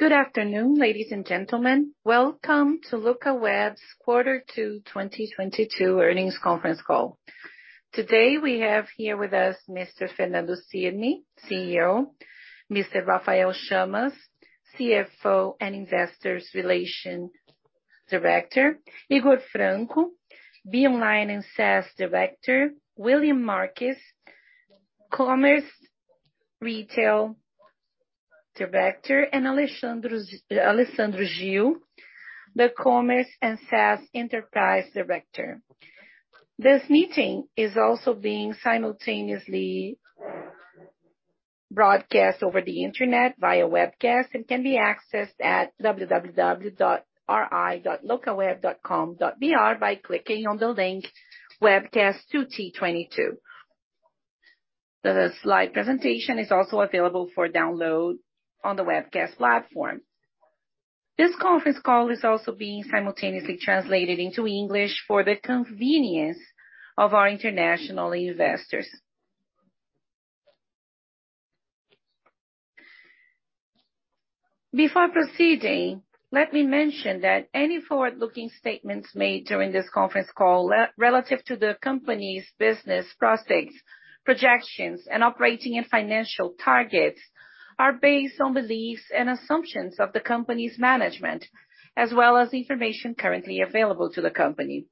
Good afternoon, ladies and gentlemen. Welcome to Locaweb's quarter 2 2022 earnings conference call. Today, we have here with us Mr. Fernando Cirne, CEO, Mr. Rafael Chamas, CFO and Investor Relations Director, Higor Franco, Beyond & SaaS Director, Willian Marques Before proceeding, let me mention that any forward-looking statements made during this conference call are relative to the company's business prospects, projections, and operating and financial targets are based on beliefs and assumptions of the company's management, as well as information currently available to the company.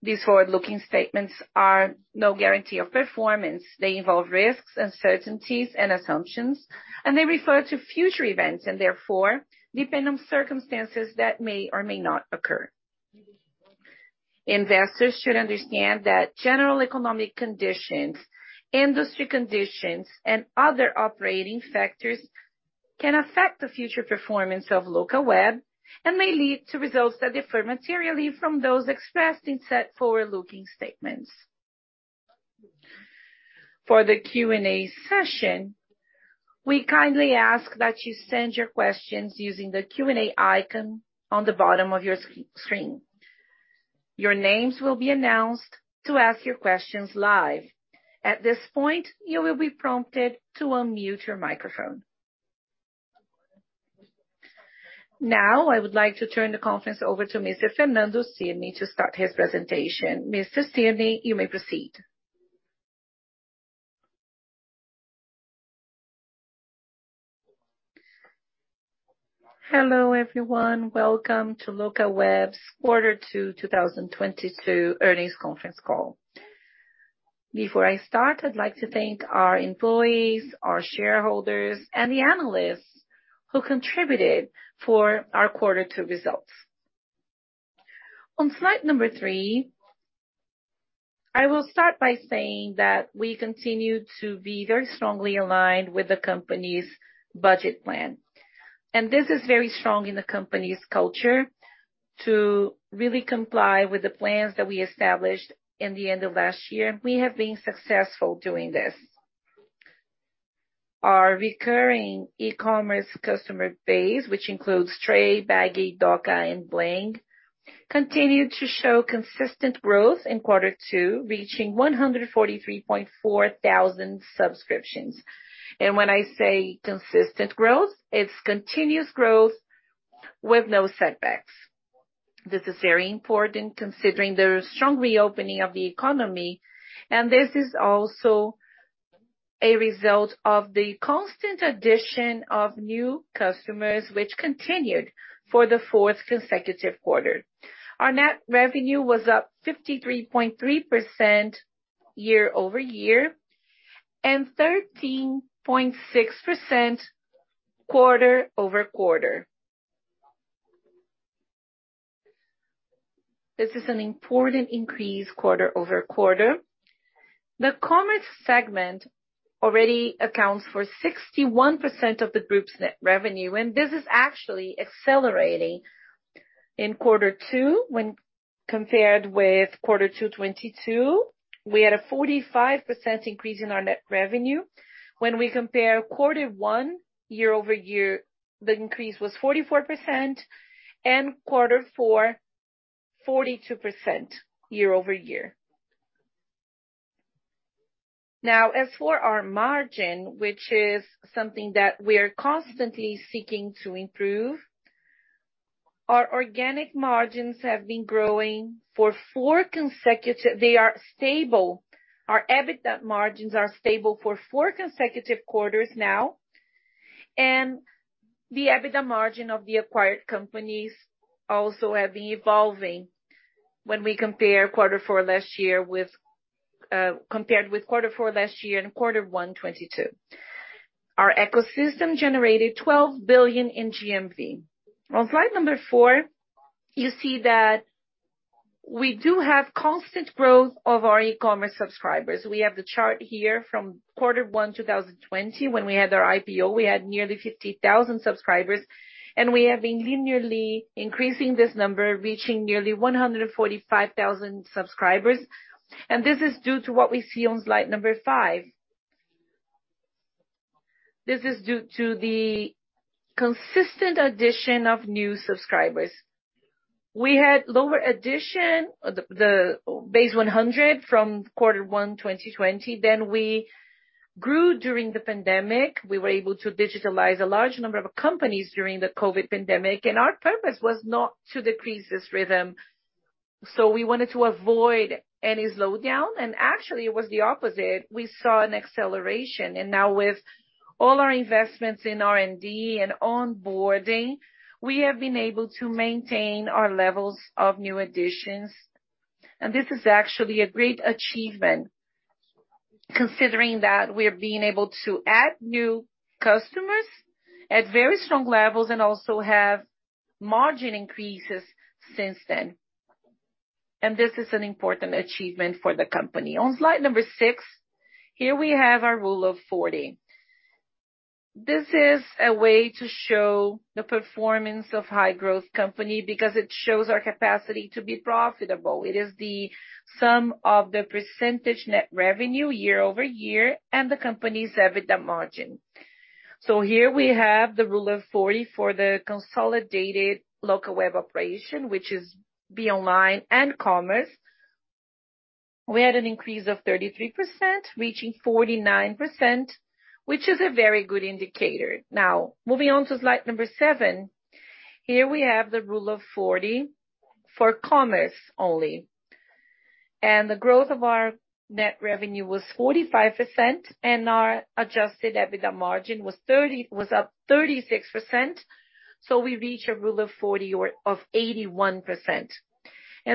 These forward-looking statements are no guarantee of performance. They involve risks, uncertainties, and assumptions, and they refer to future events, and therefore depend on circumstances that may or may not occur. Investors should understand that general economic conditions, industry conditions, and other operating factors can affect the future performance of Locaweb, and may lead to results that differ materially from those expressed in said forward-looking statements. For the Q&A session, we kindly ask that you send your questions using the Q&A icon on the bottom of your screen. Your names will be announced to ask your questions live. At this point, you will be prompted to unmute your microphone. Now, I would like to turn the conference over to Mr. Fernando Cirne to start his presentation. Mr. Cirne, you may proceed. Hello, everyone. Welcome to Locaweb's quarter two 2022 earnings conference call. Before I start, I'd like to thank our employees, our shareholders, and the analysts who contributed for our quarter two results. On slide number three, I will start by saying that we continue to be very strongly aligned with the company's budget plan. This is very strong in the company's culture to really comply with the plans that we established in the end of last year. We have been successful doing this. Our recurring e-commerce customer base, which includes Tray, Bagy, Dooca, and Bling, continued to show consistent growth in quarter two, reaching 143.4 thousand subscriptions. When I say consistent growth, it's continuous growth with no setbacks. This is very important considering the strong reopening of the economy, and this is also a result of the constant addition of new customers, which continued for the fourth consecutive quarter. Our net revenue was up 53.3% year-over-year, and 13.6% quarter-over-quarter. This is an important increase quarter-over-quarter. The commerce segment already accounts for 61% of the group's net revenue, and this is actually accelerating. In quarter two, when compared with quarter two, 2022, we had a 45% increase in our net revenue. When we compare quarter one year-over-year, the increase was 44%, and quarter four, 42% year-over-year. Now, as for our margin, which is something that we're constantly seeking to improve, our organic margins are stable. Our EBITDA margins are stable for four consecutive quarters now. The EBITDA margin of the acquired companies also have been evolving when we compare quarter four last year with quarter one, 2022. Our ecosystem generated 12 billion in GMV. On slide number 4, you see that we do have constant growth of our e-commerce subscribers. We have the chart here from quarter 1, 2020. When we had our IPO, we had nearly 50,000 subscribers, and we have been linearly increasing this number, reaching nearly 145,000 subscribers, and this is due to what we see on slide number five. This is due to the consistent addition of new subscribers. We had lower addition, the base 100 from quarter 1 2020, then we grew during the pandemic. We were able to digitalize a large number of companies during the COVID pandemic, and our purpose was not to decrease this rhythm. We wanted to avoid any slowdown. Actually, it was the opposite. We saw an acceleration. Now with all our investments in R&D and onboarding, we have been able to maintain our levels of new additions. This is actually a great achievement, considering that we're being able to add new customers at very strong levels and also have margin increases since then. This is an important achievement for the company. On slide number six, here we have our rule of 40. This is a way to show the performance of high-growth company because it shows our capacity to be profitable. It is the sum of the percentage net revenue year-over-year and the company's EBITDA margin. Here we have the rule of forty for the consolidated Locaweb operation, which is BeOnline and commerce. We had an increase of 33%, reaching 49%, which is a very good indicator. Now, moving on to slide number seven. Here we have the rule of forty for commerce only. The growth of our net revenue was 45%, and our adjusted EBITDA margin was up 36%, so we reach a rule of forty or of 81%.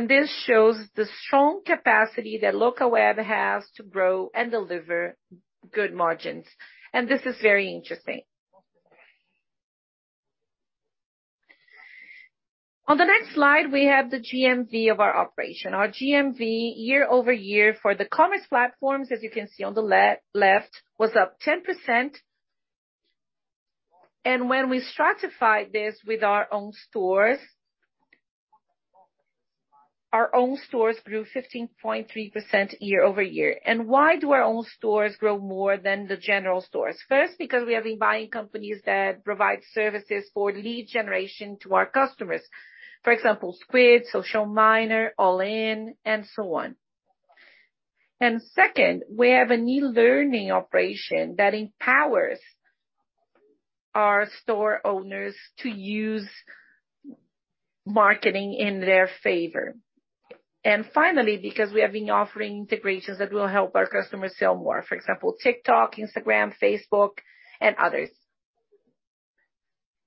This shows the strong capacity that Locaweb has to grow and deliver good margins. This is very interesting. On the next slide, we have the GMV of our operation. Our GMV year over year for the commerce platforms, as you can see on the left, was up 10%. When we stratify this with our own stores, our own stores grew 15.3% year over year. Why do our own stores grow more than the general stores? First, because we have been buying companies that provide services for lead generation to our customers. For example, Squid, Social Miner, All iN, and so on. Second, we have a new learning operation that empowers our store owners to use marketing in their favor. Finally, because we have been offering integrations that will help our customers sell more. For example, TikTok, Instagram, Facebook, and others.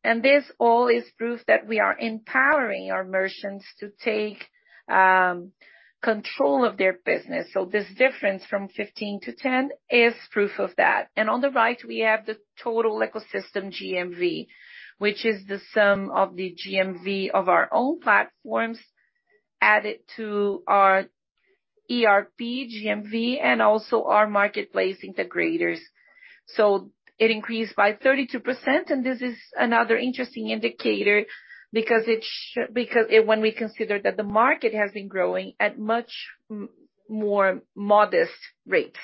This all is proof that we are empowering our merchants to take control of their business. This difference from 15 to 10 is proof of that. On the right, we have the total ecosystem GMV, which is the sum of the GMV of our own platforms added to our ERP GMV and also our marketplace integrators. It increased by 32%, and this is another interesting indicator because when we consider that the market has been growing at much more modest rates.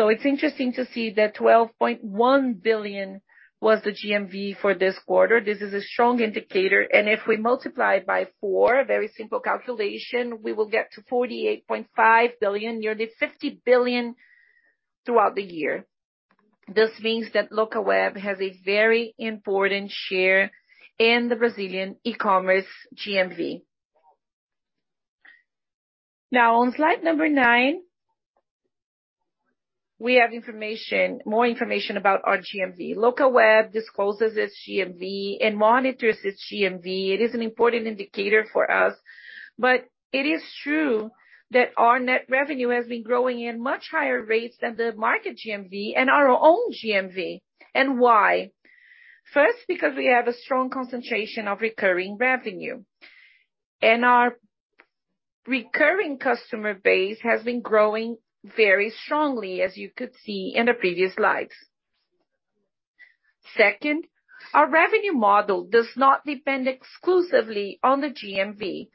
It's interesting to see that 12.1 billion was the GMV for this quarter. This is a strong indicator. If we multiply it four very simple calculation, we will get to 48.5 billion, nearly 50 billion throughout the year. This means that Locaweb has a very important share in the Brazilian e-commerce GMV. Now on slide number nine, we have information, more information about our GMV. Locaweb discloses its GMV and monitors its GMV. It is an important indicator for us. It is true that our net revenue has been growing in much higher rates than the market GMV and our own GMV. Why? First, because we have a strong concentration of recurring revenue. Our recurring customer base has been growing very strongly, as you could see in the previous slides. Second, our revenue model does not depend exclusively on the GMV.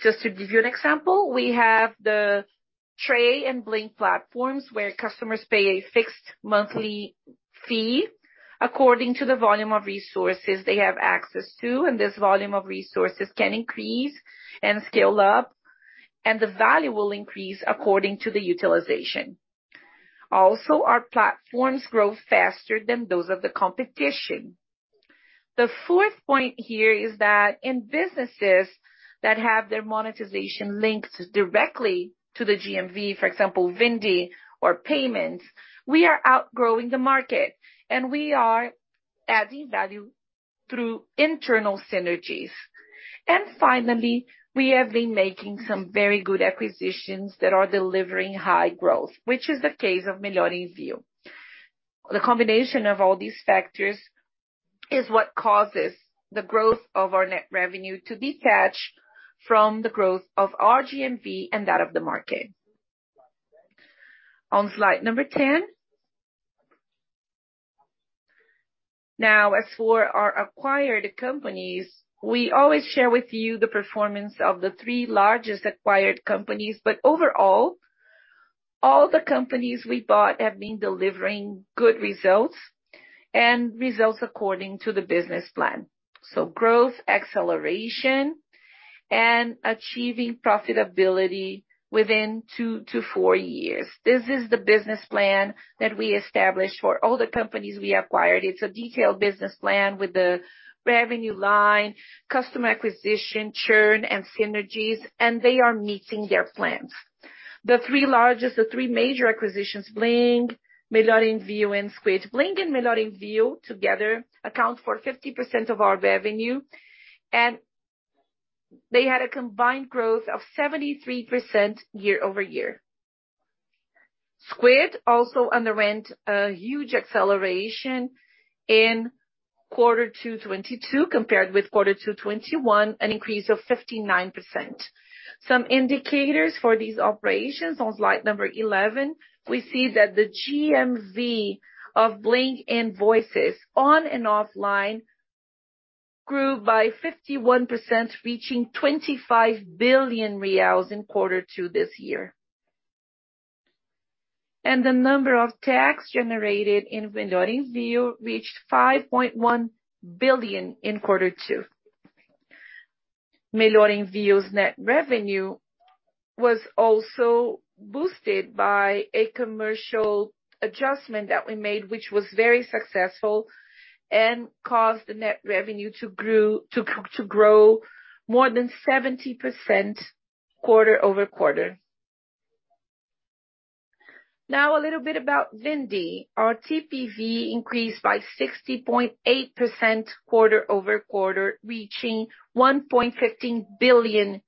Just to give you an example, we have the Tray and Bling platforms, where customers pay a fixed monthly fee according to the volume of resources they have access to, and this volume of resources can increase and scale up, and the value will increase according to the utilization. Also, our platforms grow faster than those of the competition. The fourth point here is that in businesses that have their monetization linked directly to the GMV, for example, Vindi or payments, we are outgrowing the market, and we are adding value through internal synergies. Finally, we have been making some very good acquisitions that are delivering high growth, which is the case of Melhor Envio. The combination of all these factors is what causes the growth of our net revenue to detach from the growth of our GMV and that of the market. On slide number 10. Now, as for our acquired companies, we always share with you the performance of the three largest acquired companies. But overall, all the companies we bought have been delivering good results and results according to the business plan. Growth, acceleration, and achieving profitability within 2-4 years. This is the business plan that we established for all the companies we acquired. It's a detailed business plan with the revenue line, customer acquisition, churn, and synergies, and they are meeting their plans. The three major acquisitions, Bling, Melhor Envio, and Squid. Bling and Melhor Envio together account for 50% of our revenue, and they had a combined growth of 73% year-over-year. Squid also underwent a huge acceleration in quarter two 2022 compared with quarter two 2021, an increase of 59%. Some indicators for these operations on slide number 11, we see that the GMV of Bling invoices on and offline grew by 51%, reaching BRL 25 billion in quarter two this year. The number of tax generated in Melhor Envio reached 5.1 billion in quarter two. Melhor Envio net revenue was also boosted by a commercial adjustment that we made, which was very successful and caused the net revenue to grow more than 70% quarter-over-quarter. Now a little bit about Vindi. Our TPV increased by 60.8% quarter-over-quarter, reaching BRL 1.15 billion.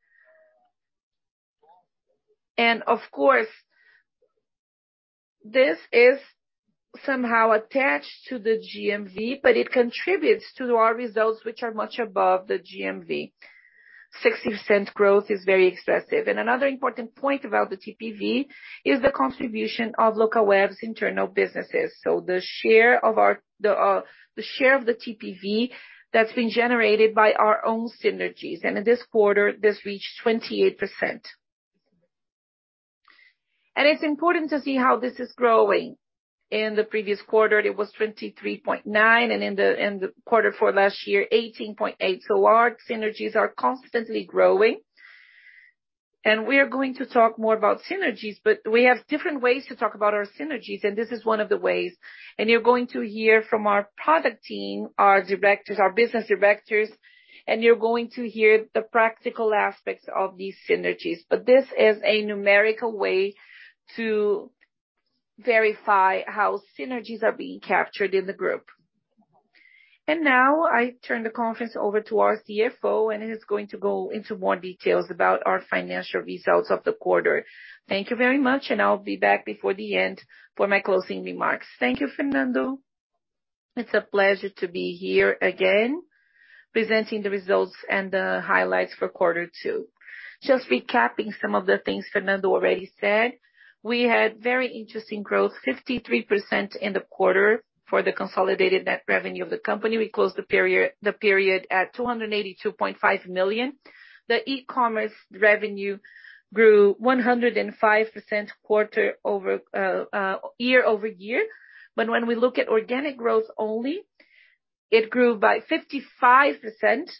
Of course, this is somehow attached to the GMV, but it contributes to our results which are much above the GMV. 60% growth is very expressive. Another important point about the TPV is the contribution of Locaweb's internal businesses. The share of the TPV that's been generated by our own synergies. In this quarter, this reached 28%. It's important to see how this is growing. In the previous quarter, it was 23.9%, and in the quarter four last year, 18.8%. Our synergies are constantly growing. We are going to talk more about synergies, but we have different ways to talk about our synergies, and this is one of the ways. You're going to hear from our product team, our directors, our business directors, and you're going to hear the practical aspects of these synergies. This is a numerical way to verify how synergies are being captured in the group. Now I turn the conference over to our CFO, and he's going to go into more details about our financial results of the quarter. Thank you very much, and I'll be back before the end for my closing remarks. Thank you, Fernando. It's a pleasure to be here again, presenting the results and the highlights for quarter two. Just recapping some of the things Fernando already said. We had very interesting growth, 53% in the quarter for the consolidated net revenue of the company. We closed the period at 282.5 million. The e-commerce revenue grew 105% year-over-year. But when we look at organic growth only, it grew by 55%.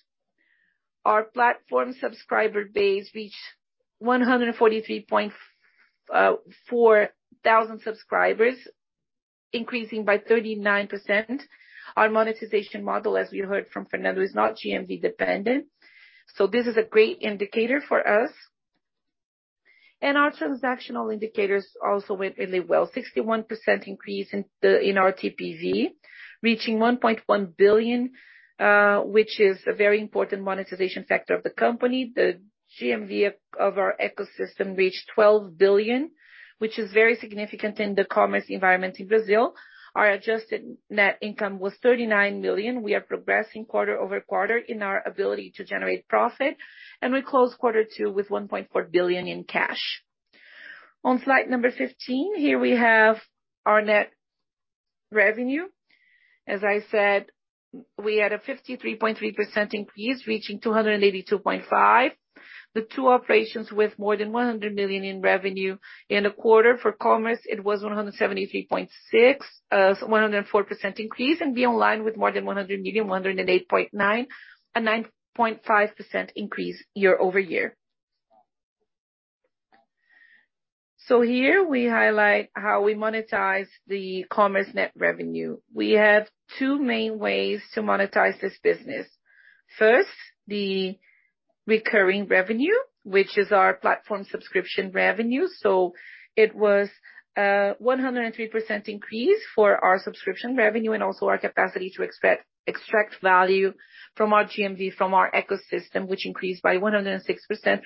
Our platform subscriber base reached 143.4 thousand subscribers, increasing by 39%. Our monetization model, as we heard from Fernando, is not GMV dependent. So this is a great indicator for us. Our transactional indicators also went really well. 61% increase in our TPV, reaching 1.1 billion, which is a very important monetization factor of the company. The GMV of our ecosystem reached 12 billion, which is very significant in the commerce environment in Brazil. Our adjusted net income was 39 million. We are progressing quarter-over-quarter in our ability to generate profit, and we closed quarter two with 1.4 billion in cash. On slide number 15, here we have our net revenue. As I said, we had a 53.3% increase, reaching 282.5 million. The two operations with more than 100 million in revenue. In the quarter for commerce, it was 173.6 million, so 104% increase. BeOnline with more than 100 million, 108.9, a 9.5% increase year-over-year. Here we highlight how we monetize the commerce net revenue. We have two main ways to monetize this business. First, the recurring revenue, which is our platform subscription revenue. It was 103% increase for our subscription revenue and also our capacity to extract value from our GMV, from our ecosystem, which increased by 106%,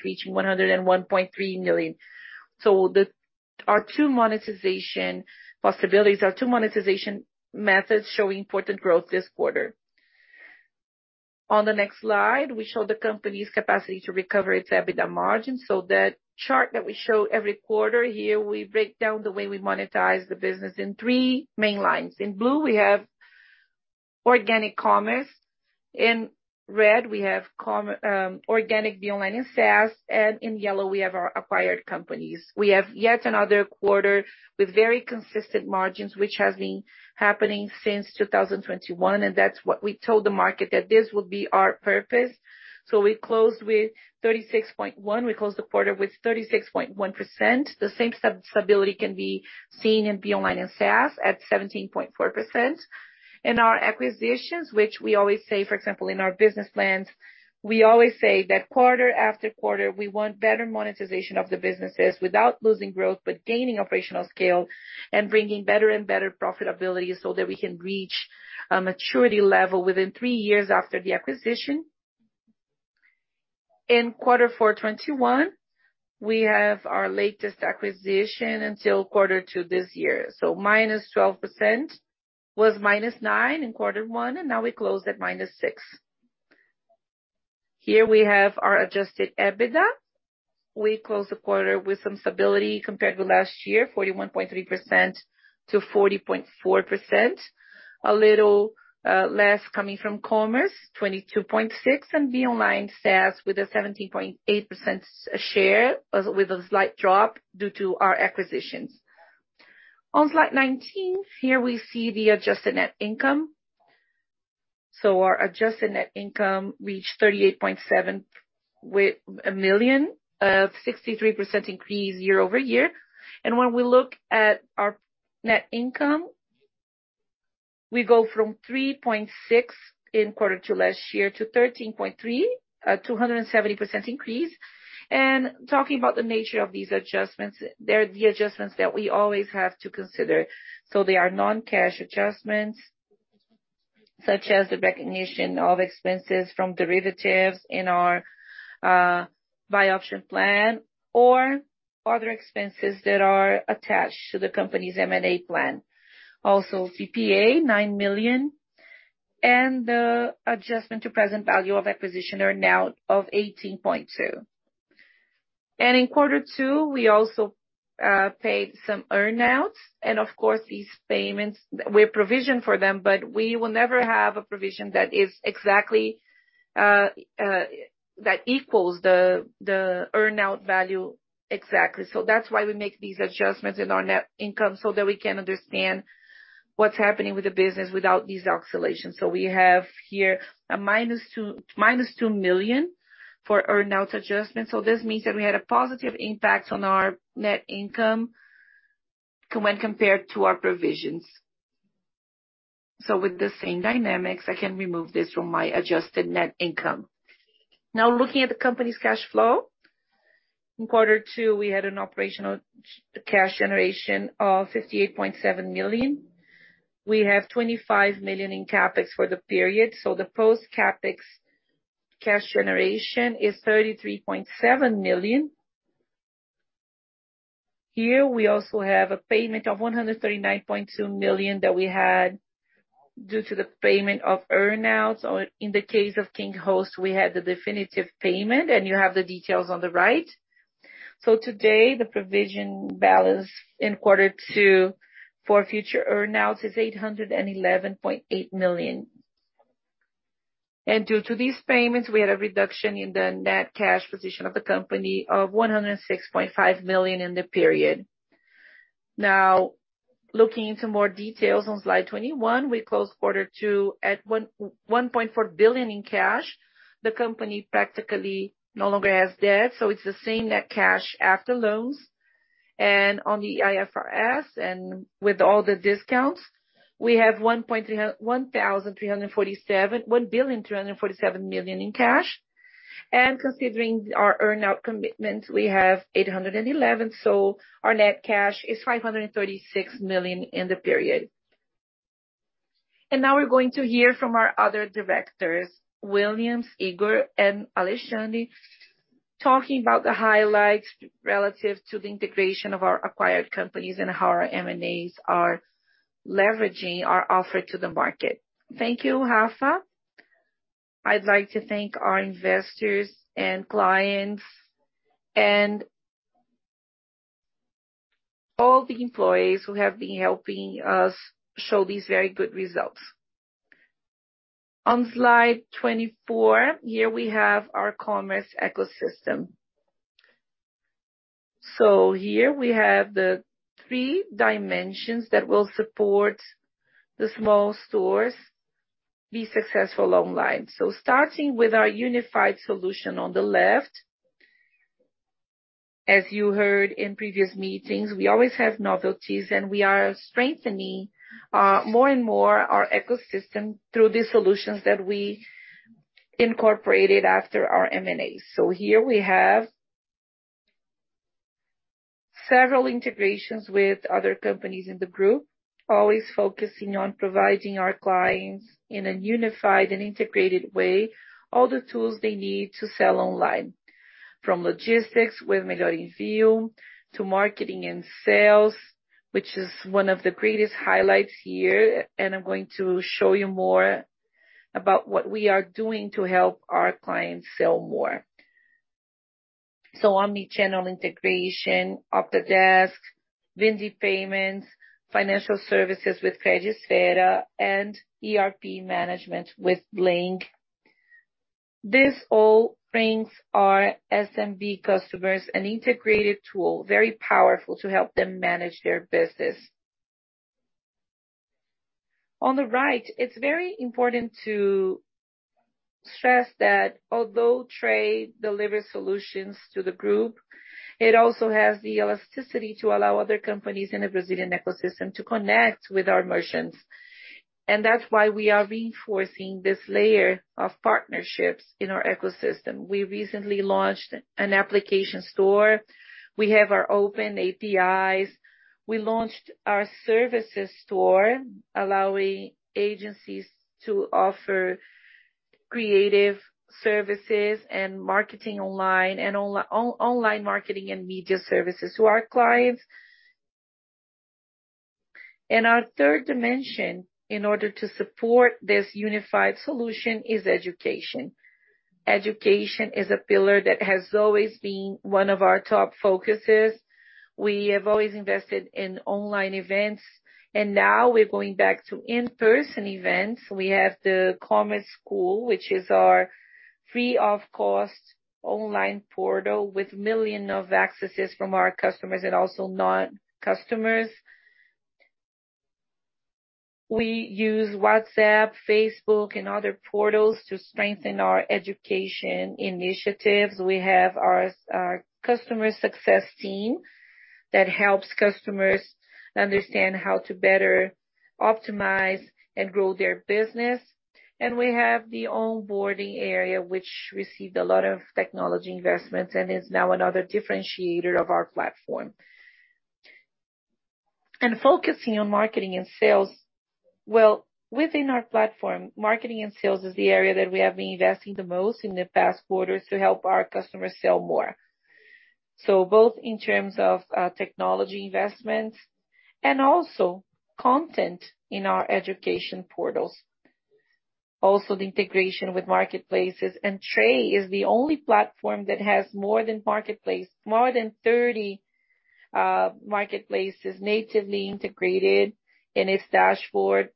reaching 101.3 million. Our two monetization methods show important growth this quarter. On the next slide, we show the company's capacity to recover its EBITDA margin. That chart that we show every quarter, here we break down the way we monetize the business in three main lines. In blue, we have organic commerce. In red, we have organic BeOnline and SaaS, and in yellow, we have our acquired companies. We have yet another quarter with very consistent margins, which has been happening since 2021, and that's what we told the market that this would be our purpose. We closed with 36.1. We closed the quarter with 36.1%. The same stability can be seen in BeOnline and SaaS at 17.4%. In our acquisitions, which we always say, for example, in our business plans, we always say that quarter after quarter, we want better monetization of the businesses without losing growth, but gaining operational scale and bringing better and better profitability so that we can reach a maturity level within three years after the acquisition. In Q4 2021, we have our latest acquisition until Q2 this year. Minus 12% was -9% in Q1, and now we close at -6%. Here we have our adjusted EBITDA. We closed the quarter with some stability compared to last year, 41.3% to 40.4%. A little less coming from commerce, 22.6%, and BeOnline SaaS with a 17.8% share with a slight drop due to our acquisitions. On slide 19, here we see the adjusted net income. Our adjusted net income reached 38.7 million, 63% increase year-over-year. When we look at our net income, we go from 3.6 million in Q4 last year to 13.3 million, 270% increase. Talking about the nature of these adjustments, they're the adjustments that we always have to consider. They are non-cash adjustments, such as the recognition of expenses from derivatives in our buy option plan or other expenses that are attached to the company's M&A plan. Also, CPA, 9 million, and the adjustment to present value of acquisition earnout of 18.2. In quarter two, we also paid some earnouts and of course these payments, we're provisioned for them, but we will never have a provision that is exactly that equals the earnout value exactly. That's why we make these adjustments in our net income so that we can understand what's happening with the business without these oscillations. We have here a -2 million for earnouts adjustment. This means that we had a positive impact on our net income when compared to our provisions. With the same dynamics, I can remove this from my adjusted net income. Now looking at the company's cash flow. In quarter two, we had an operational cash generation of 58.7 million. We have 25 million in CapEx for the period, so the post-CapEx cash generation is 33.7 million. Here we also have a payment of 139.2 million that we had due to the payment of earnouts, or in the case of KingHost, we had the definitive payment, and you have the details on the right. Today, the provision balance in quarter two for future earnouts is 811.8 million. Due to these payments, we had a reduction in the net cash position of the company of 106.5 million in the period. Now, looking into more details on slide 21, we closed quarter two at 1.4 billion in cash. The company practically no longer has debt, so it's the same net cash after loans. On the IFRS and with all the discounts, we have 1.347 billion in cash. Considering our earnout commitment, we have 811 million, so our net cash is 536 million in the period. Now we're going to hear from our other directors, Willian, Higor, and Alessandro, talking about the highlights relative to the integration of our acquired companies and how our M&As are leveraging our offer to the market. Thank you, Rafa. I'd like to thank our investors and clients and all the employees who have been helping us show these very good results. On slide 24, here we have our commerce ecosystem. Here we have the three dimensions that will support the small stores be successful online. Starting with our unified solution on the left. As you heard in previous meetings, we always have novelties, and we are strengthening more and more our ecosystem through the solutions that we incorporated after our M&A. here we have several integrations with other companies in the group, always focusing on providing our clients in a unified and integrated way, all the tools they need to sell online, from logistics with Melhor Envio, to marketing and sales, which is one of the greatest highlights here, and I'm going to show you more about what we are doing to help our clients sell more. Omnichannel integration, Octadesk, Vindi payments, financial services with Creditas and ERP management with Bling. This all brings our SMB customers an integrated tool, very powerful to help them manage their business. On the right, it's very important too to stress that although Tray delivers solutions to the group, it also has the elasticity to allow other companies in the Brazilian ecosystem to connect with our merchants. That's why we are reinforcing this layer of partnerships in our ecosystem. We recently launched an application store. We have our open APIs. We launched our services store, allowing agencies to offer creative services and marketing online and online marketing and media services to our clients. Our third dimension in order to support this unified solution is education. Education is a pillar that has always been one of our top focuses. We have always invested in online events and now we're going back to in-person events. We have the E-commerce School, which is our free of cost online portal, with millions of accesses from our customers and also non-customers. We use WhatsApp, Facebook and other portals to strengthen our education initiatives. We have our customer success team that helps customers understand how to better optimize and grow their business. We have the onboarding area, which received a lot of technology investments and is now another differentiator of our platform. Focusing on marketing and sales. Well, within our platform, marketing and sales is the area that we have been investing the most in the past quarters to help our customers sell more. Both in terms of technology investments and also content in our education portals. Also the integration with marketplaces. Tray is the only platform that has more than 30 marketplaces natively integrated in its dashboard.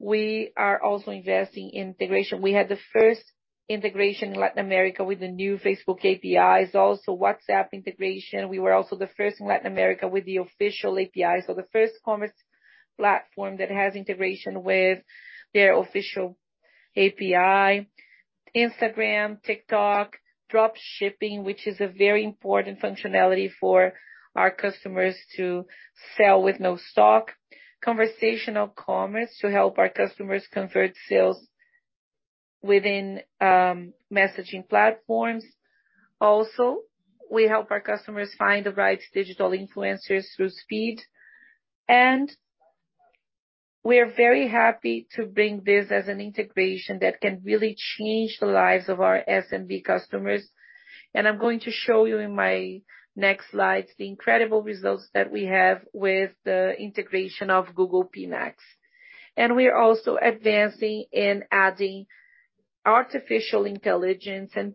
We are also investing in integration. We had the first integration in Latin America with the new Facebook APIs, also WhatsApp integration. We were also the first in Latin America with the official API. The first commerce platform that has integration with their official API. Instagram, TikTok, dropshipping, which is a very important functionality for our customers to sell with no stock. Conversational commerce to help our customers convert sales within messaging platforms. We help our customers find the right digital influencers through Squid. We are very happy to bring this as an integration that can really change the lives of our SMB customers. I'm going to show you in my next slide the incredible results that we have with the integration of Google PMax. We are also advancing in adding artificial intelligence and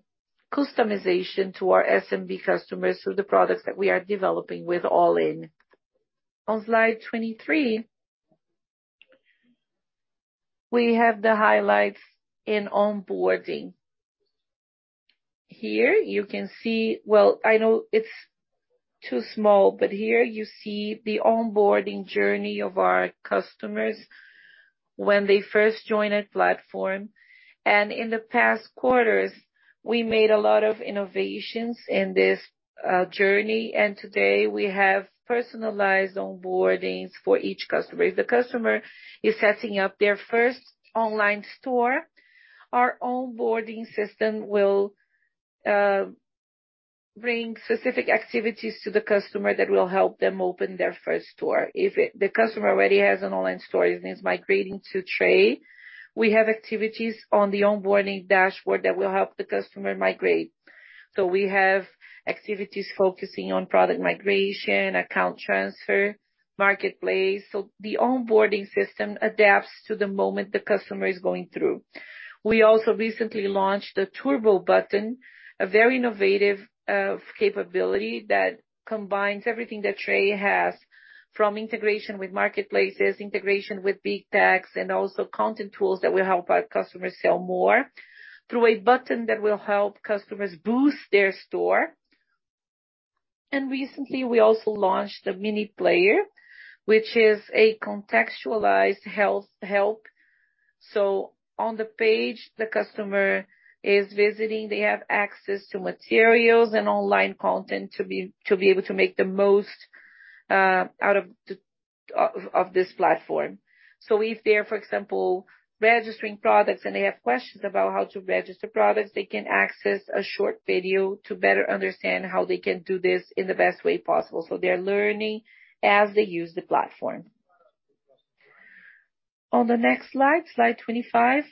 customization to our SMB customers through the products that we are developing with All iN. On slide 23, we have the highlights in onboarding. Here you can see. Well, I know it's too small, but here you see the onboarding journey of our customers when they first join a platform. In the past quarters, we made a lot of innovations in this journey. Today we have personalized onboardings for each customer. If the customer is setting up their first online store, our onboarding system will bring specific activities to the customer that will help them open their first store. If the customer already has an online store and is migrating to Tray, we have activities on the onboarding dashboard that will help the customer migrate. We have activities focusing on product migration, account transfer, marketplace. The onboarding system adapts to the moment the customer is going through. We also recently launched the Turbo button, a very innovative capability that combines everything that Tray has from integration with marketplaces, integration with Big Techs, and also content tools that will help our customers sell more through a button that will help customers boost their store. Recently, we also launched the Mini Player, which is a contextualized help. On the page the customer is visiting, they have access to materials and online content to be able to make the most out of this platform. If they're, for example, registering products and they have questions about how to register products, they can access a short video to better understand how they can do this in the best way possible. They're learning as they use the platform. On the next slide 25.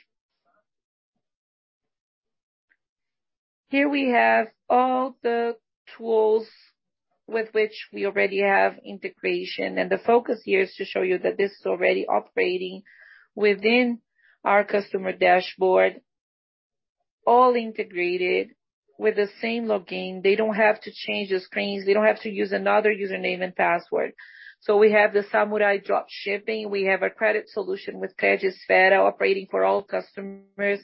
Here we have all the tools with which we already have integration. The focus here is to show you that this is already operating within our customer dashboard, all integrated with the same login. They don't have to change the screens, they don't have to use another username and password. We have the Samurai dropshipping. We have a credit solution with PagSeguro operating for all customers.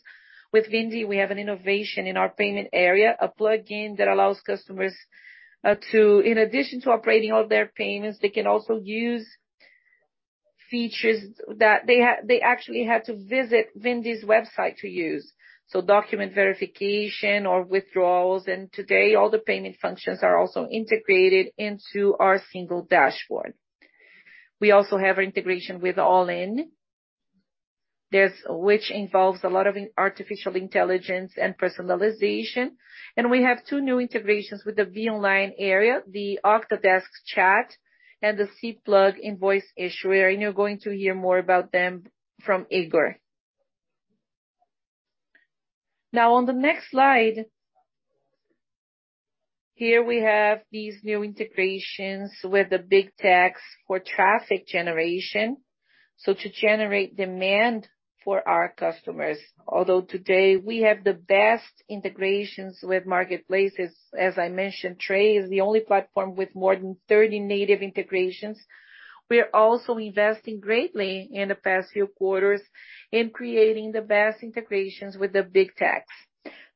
With Vindi, we have an innovation in our payment area, a plugin that allows customers, In addition to operating all their payments, they can also use features that they actually had to visit Vindi's website to use. So document verification or withdrawals. Today, all the payment functions are also integrated into our single dashboard. We also have integration with Allin. Which involves a lot of artificial intelligence and personalization. We have two new integrations with the BeOnline area, the Octadesk chat and the Connectplug invoice issuer. You're going to hear more about them from Higor. Now, on the next slide, here we have these new integrations with the Big Techs for traffic generation. To generate demand for our customers. Although today we have the best integrations with marketplaces. As I mentioned, Tray is the only platform with more than 30 native integrations. We are also investing greatly in the past few quarters in creating the best integrations with the big techs,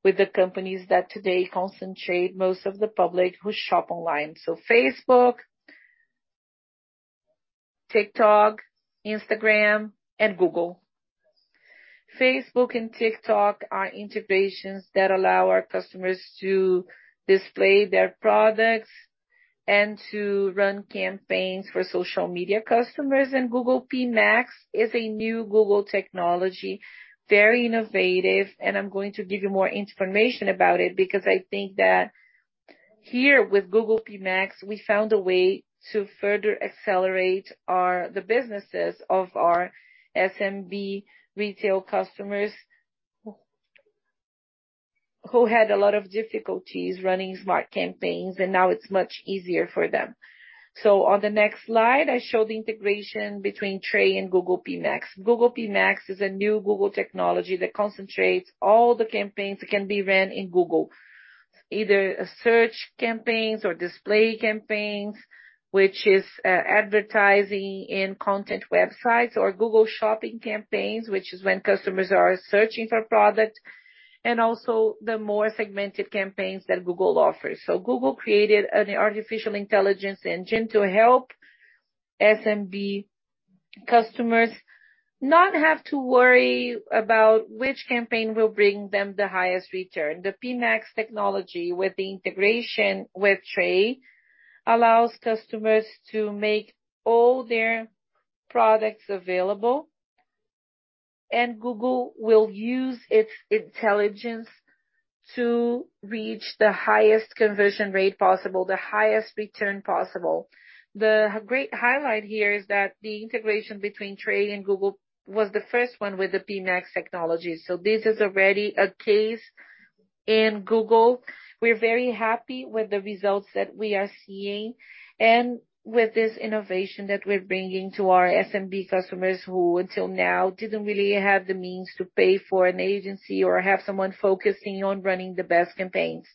with the companies that today concentrate most of the public who shop online. Facebook, TikTok, Instagram and Google. Facebook and TikTok are integrations that allow our customers to display their products and to run campaigns for social media customers. Google PMax is a new Google technology, very innovative, and I'm going to give you more information about it, because I think that here with Google PMax, we found a way to further accelerate the businesses of our SMB retail customers who had a lot of difficulties running smart campaigns, and now it's much easier for them. On the next slide, I show the integration between Tray and Google PMax. Google PMax is a new Google technology that concentrates all the campaigns that can be ran in Google, either search campaigns or display campaigns, which is advertising in content websites or Google Shopping campaigns, which is when customers are searching for products, and also the more segmented campaigns that Google offers. Google created an artificial intelligence engine to help SMB customers not have to worry about which campaign will bring them the highest return. The PMax technology, with the integration with Tray, allows customers to make all their products available, and Google will use its intelligence to reach the highest conversion rate possible, the highest return possible. The great highlight here is that the integration between Tray and Google was the first one with the PMax technology. This is already a case in Google. We're very happy with the results that we are seeing and with this innovation that we're bringing to our SMB customers who until now didn't really have the means to pay for an agency or have someone focusing on running the best campaigns.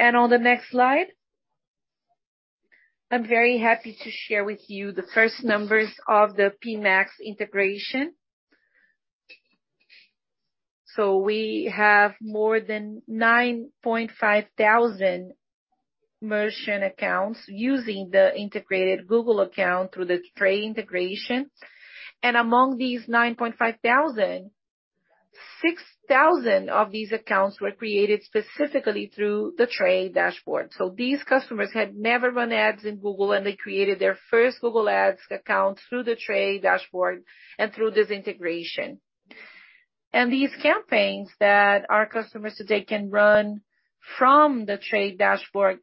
On the next slide, I'm very happy to share with you the first numbers of the PMax integration. We have more than 9,500 merchant accounts using the integrated Google account through the Tray integration. Among these 9,500, 6,000 of these accounts were created specifically through the Tray dashboard. These customers had never run ads in Google, and they created their first Google Ads account through the Tray dashboard and through this integration. These campaigns that our customers today can run from the Tray dashboard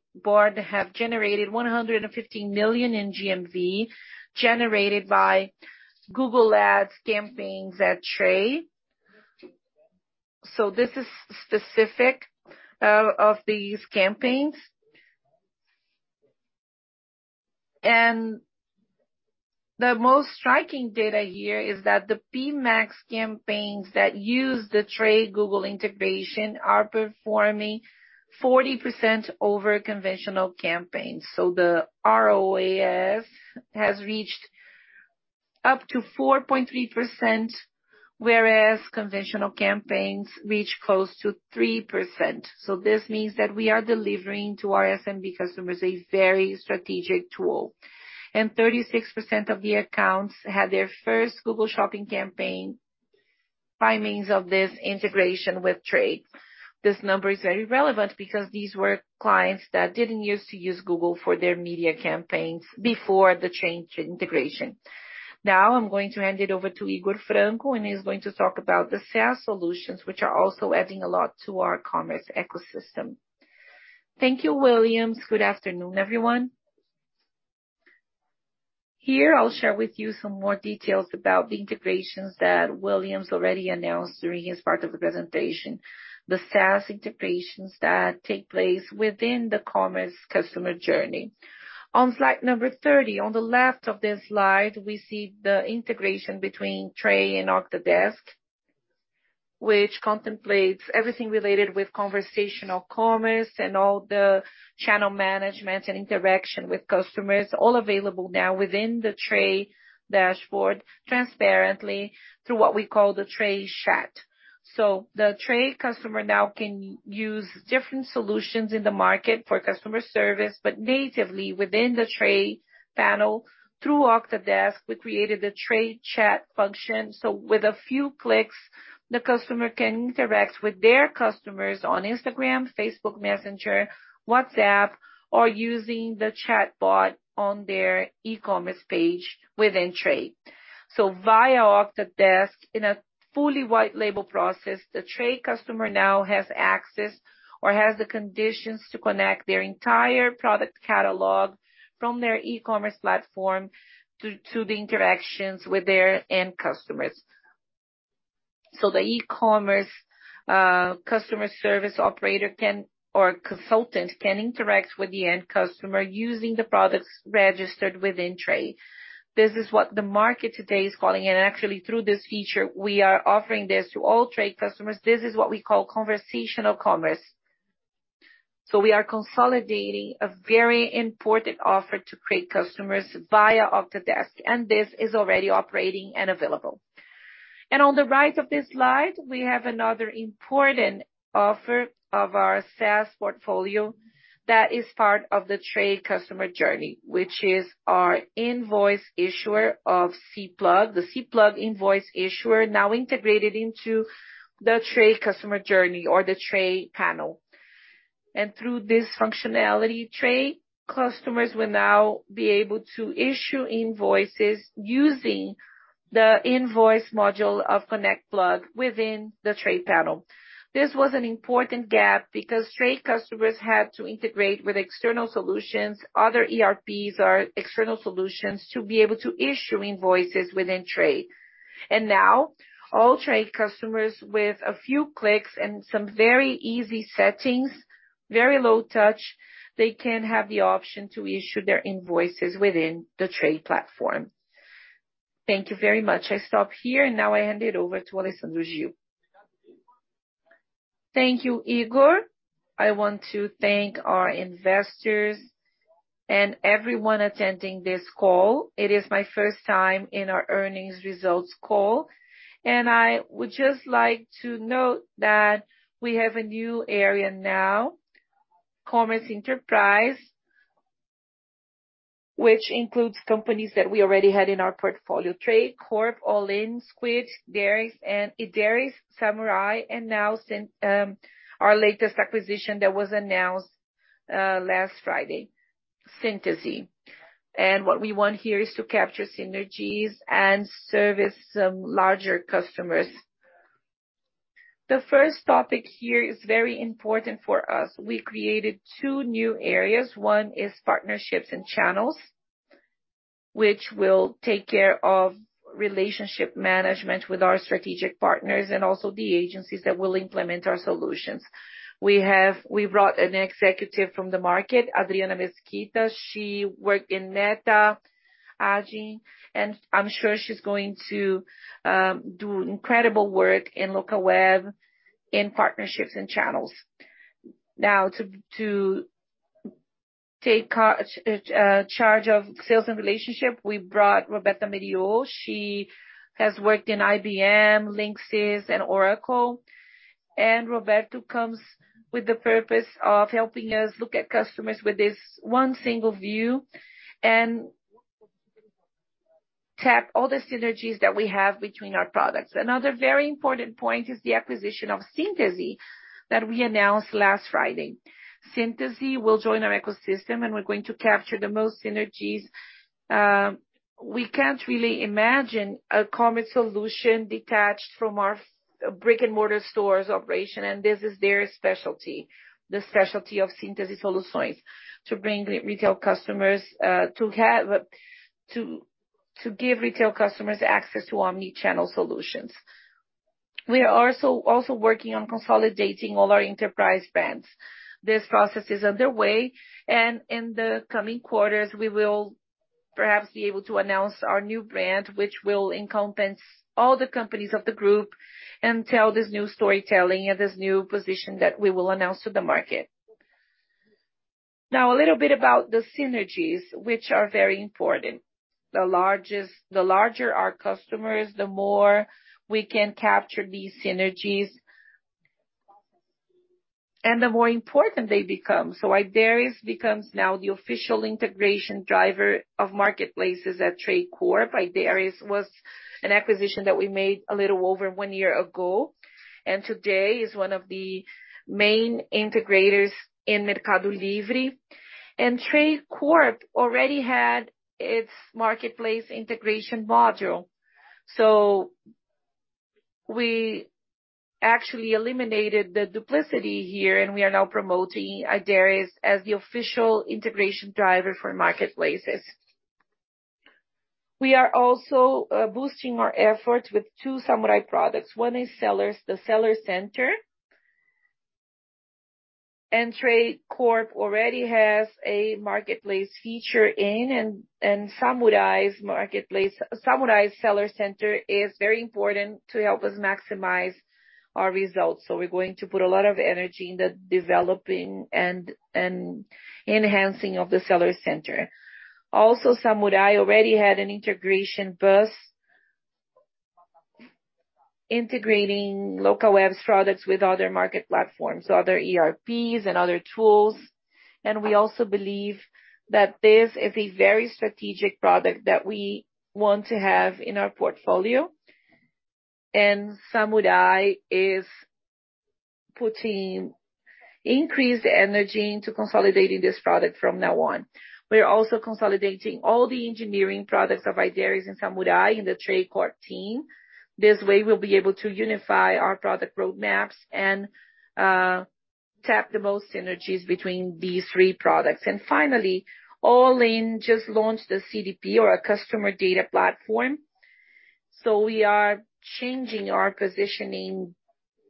have generated 115 million in GMV generated by Google Ads campaigns at Tray. This is specific of these campaigns. The most striking data here is that the PMax campaigns that use the Tray Google integration are performing 40% over conventional campaigns. The ROAS has reached up to 4.3%, whereas conventional campaigns reach close to 3%. This means that we are delivering to our SMB customers a very strategic tool. 36% of the accounts had their first Google Shopping campaign by means of this integration with Tray. This number is very relevant because these were clients that didn't use to use Google for their media campaigns before the change in integration. Now, I'm going to hand it over to Higor Franco, and he's going to talk about the sales solutions, which are also adding a lot to our commerce ecosystem. Thank you, Willian. Good afternoon, everyone. Here, I'll share with you some more details about the integrations that Willian already announced during his part of the presentation. The SaaS integrations that take place within the commerce customer journey. On slide number 30, on the left of this slide, we see the integration between Tray and Octadesk, which contemplates everything related with conversational commerce and all the channel management and interaction with customers, all available now within the Tray dashboard, transparently through what we call the Tray chat. The Tray customer now can use different solutions in the market for customer service, but natively within the Tray panel. Through Octadesk, we created the Tray chat function, so with a few clicks, the customer can interact with their customers on Instagram, Facebook Messenger, WhatsApp, or using the chatbot on their e-commerce page within Tray. Via Octadesk, in a fully white label process, the Tray customer now has access or has the conditions to connect their entire product catalog from their e-commerce platform to the interactions with their end customers. The e-commerce customer service operator or consultant can interact with the end customer using the products registered within Tray. This is what the market today is calling, and actually, through this feature, we are offering this to all Tray customers. This is what we call conversational commerce. We are consolidating a very important offer to create customers via Octadesk, and this is already operating and available. On the right of this slide, we have another important offer of our SaaS portfolio that is part of the Tray customer journey, which is our invoice issuer of Connectplug. The Connectplug invoice issuer, now integrated into the Tray customer journey or the Tray panel. Through this functionality, Tray customers will now be able to issue invoices using the invoice module of Connectplug within the Tray panel. This was an important gap because Tray customers had to integrate with external solutions, other ERPs or external solutions to be able to issue invoices within Tray. Now all Tray customers, with a few clicks and some very easy settings, very low touch, they can have the option to issue their invoices within the Tray platform. Thank you very much. I stop here, and now I hand it over to Alessandro Gil. Thank you, Higor. I want to thank our investors and everyone attending this call. It is my first time in our earnings results call, and I would just like to note that we have a new area now, Commerce Enterprise, which includes companies that we already had in our portfolio, Tray Corp, Allin, Squid, Ideris, Samurai, and now Síntese, our latest acquisition that was announced last Friday. What we want here is to capture synergies and service some larger customers. The first topic here is very important for us. We created two new areas. One is partnerships and channels, which will take care of relationship management with our strategic partners and also the agencies that will implement our solutions. We brought an executive from the market, Adriana Mesquita. She worked in Meta, and I'm sure she's going to do incredible work in Locaweb in partnerships and channels. Now to take charge of sales and relationship, we brought Roberto Medeiros. He has worked in IBM, Linx and Oracle. Roberto comes with the purpose of helping us look at customers with this one single view and tap all the synergies that we have between our products. Another very important point is the acquisition of Síntese that we announced last Friday. Síntese will join our ecosystem, and we're going to capture the most synergies. We can't really imagine a commerce solution detached from our brick-and-mortar stores operation, and this is their specialty, the specialty of Síntese Soluções, to give retail customers access to omni-channel solutions. We are also working on consolidating all our enterprise brands. This process is underway, and in the coming quarters, we will perhaps be able to announce our new brand, which will encompass all the companies of the group and tell this new storytelling and this new position that we will announce to the market. Now, a little bit about the synergies, which are very important. The larger our customers, the more we can capture these synergies, and the more important they become. Ideris becomes now the official integration driver of marketplaces at Tray Corp. Ideris was an acquisition that we made a little over one year ago, and today is one of the main integrators in Mercado Livre. Tray Corp already had its marketplace integration module. We actually eliminated the duplication here, and we are now promoting Ideris as the official integration driver for marketplaces. We are also boosting our efforts with two Samurai products. One is the Seller Center. Tray Corp already has a marketplace feature, and Samurai's Seller Center is very important to help us maximize our results. We're going to put a lot of energy in the developing and enhancing of the Seller Center. Also, Samurai already had an integration bus integrating Locaweb's products with other market platforms, other ERPs and other tools. We also believe that this is a very strategic product that we want to have in our portfolio. Samurai is putting increased energy into consolidating this product from now on. We are also consolidating all the engineering products of Ideris and Samurai in the TrayCorp team. This way, we'll be able to unify our product roadmaps and tap the most synergies between these three products. Finally, Allin just launched a CDP or a customer data platform. We are changing our positioning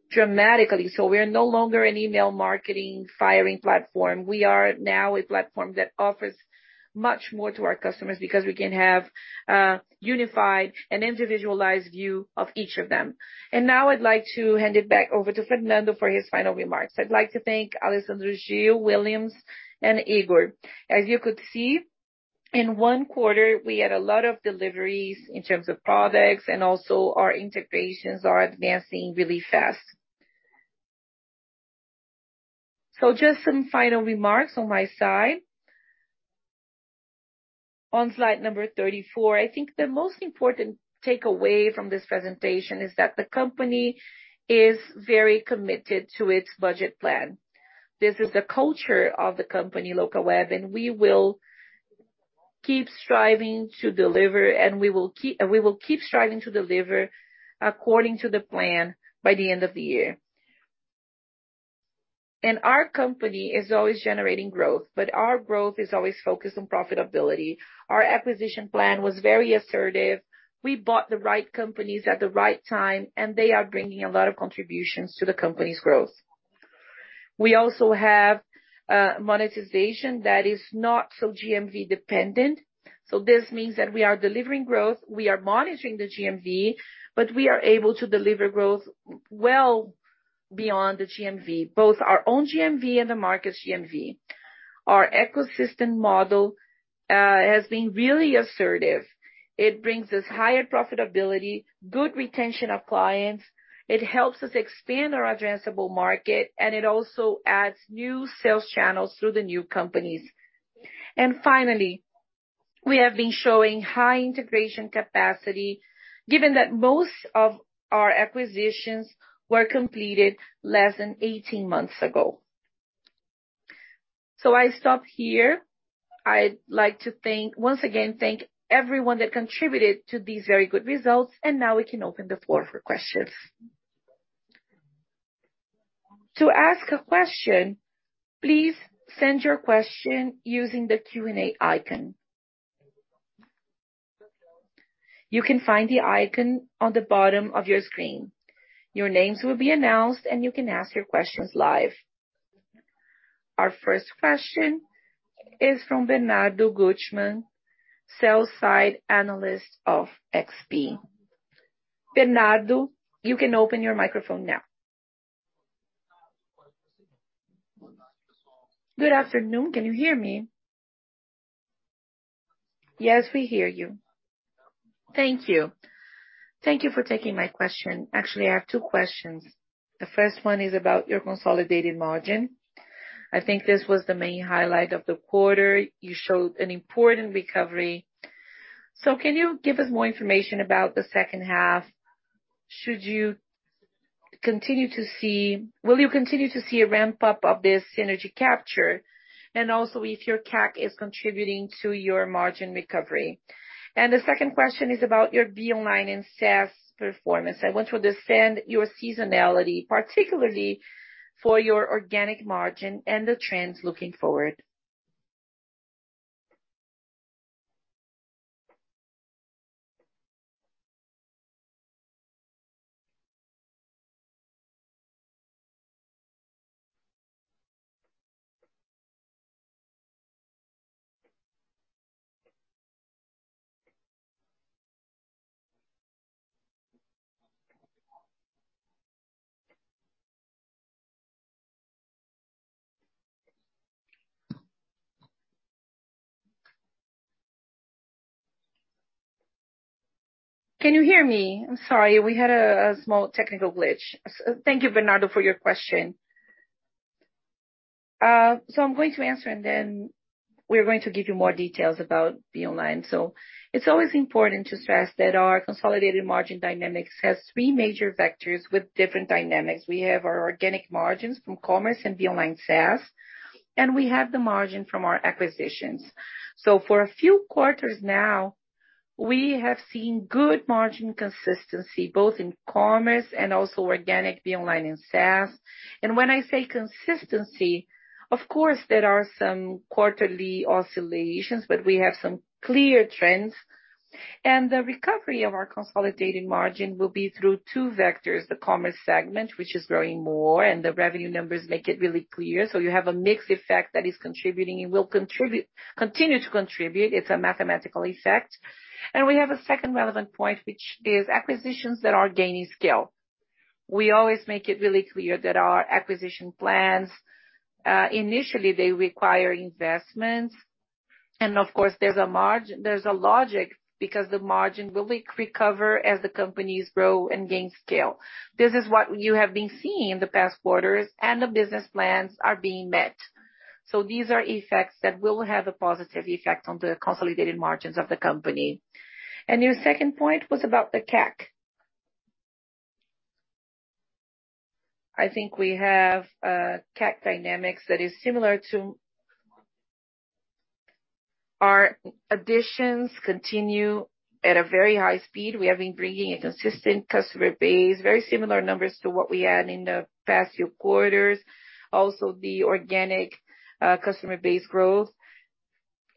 dramatically. We are no longer an email marketing firing platform. We are now a platform that offers much more to our customers because we can have a unified and individualized view of each of them. Now I'd like to hand it back over to Fernando for his final remarks. I'd like to thank Alessandro Gil, Willian and Higor. As you could see, in one quarter, we had a lot of deliveries in terms of products, and also our integrations are advancing really fast. Just some final remarks on my side. On slide number 34, I think the most important takeaway from this presentation is that the company is very committed to its budget plan. This is the culture of the company, Locaweb, and we will keep striving to deliver according to the plan by the end of the year. Our company is always generating growth, but our growth is always focused on profitability. Our acquisition plan was very assertive. We bought the right companies at the right time, and they are bringing a lot of contributions to the company's growth. We also have monetization that is not so GMV dependent. This means that we are delivering growth, we are monitoring the GMV, but we are able to deliver growth well beyond the GMV, both our own GMV and the market's GMV. Our ecosystem model has been really assertive. It brings us higher profitability, good retention of clients. It helps us expand our addressable market, and it also adds new sales channels through the new companies. Finally, we have been showing high integration capacity, given that most of our acquisitions were completed less than 18 months ago. I stop here. I'd like to thank, once again, everyone that contributed to these very good results, and now we can open the floor for questions. To ask a question, please send your question using the Q&A icon. You can find the icon on the bottom of your screen. Your names will be announced, and you can ask your questions live. Our first question is from Bernardo Guttmann, sell-side analyst of XP. Bernardo, you can open your microphone now. Good afternoon. Can you hear me? Yes, we hear you. Thank you. Thank you for taking my question. Actually, I have two questions. The first one is about your consolidated margin. I think this was the main highlight of the quarter. You showed an important recovery. Can you give us more information about the second half? Will you continue to see a ramp-up of this synergy capture? And also, if your CAC is contributing to your margin recovery. The second question is about your BeOnline and SaaS performance. I want to understand your seasonality, particularly for your organic margin and the trends looking forward. Can you hear me? I'm sorry. We had a small technical glitch. Thank you, Bernardo, for your question. I'm going to answer, and then we're going to give you more details about BeOnline. It's always important to stress that our consolidated margin dynamics has three major vectors with different dynamics. We have our organic margins from commerce and BeOnline SaaS, and we have the margin from our acquisitions. For a few quarters now we have seen good margin consistency both in commerce and also organic BeOnline and SaaS. When I say consistency, of course, there are some quarterly oscillations, but we have some clear trends. The recovery of our consolidated margin will be through two vectors, the commerce segment, which is growing more and the revenue numbers make it really clear. You have a mixed effect that is contributing. It will continue to contribute. It's a mathematical effect. We have a second relevant point, which is acquisitions that are gaining scale. We always make it really clear that our acquisition plans initially they require investments. Of course, there's a logic because the margin will recover as the companies grow and gain scale. This is what you have been seeing in the past quarters and the business plans are being met. These are effects that will have a positive effect on the consolidated margins of the company. Your second point was about the CAC. I think we have a CAC dynamics that is similar to. Our additions continue at a very high speed. We have been bringing a consistent customer base, very similar numbers to what we had in the past few quarters. Also the organic, customer base growth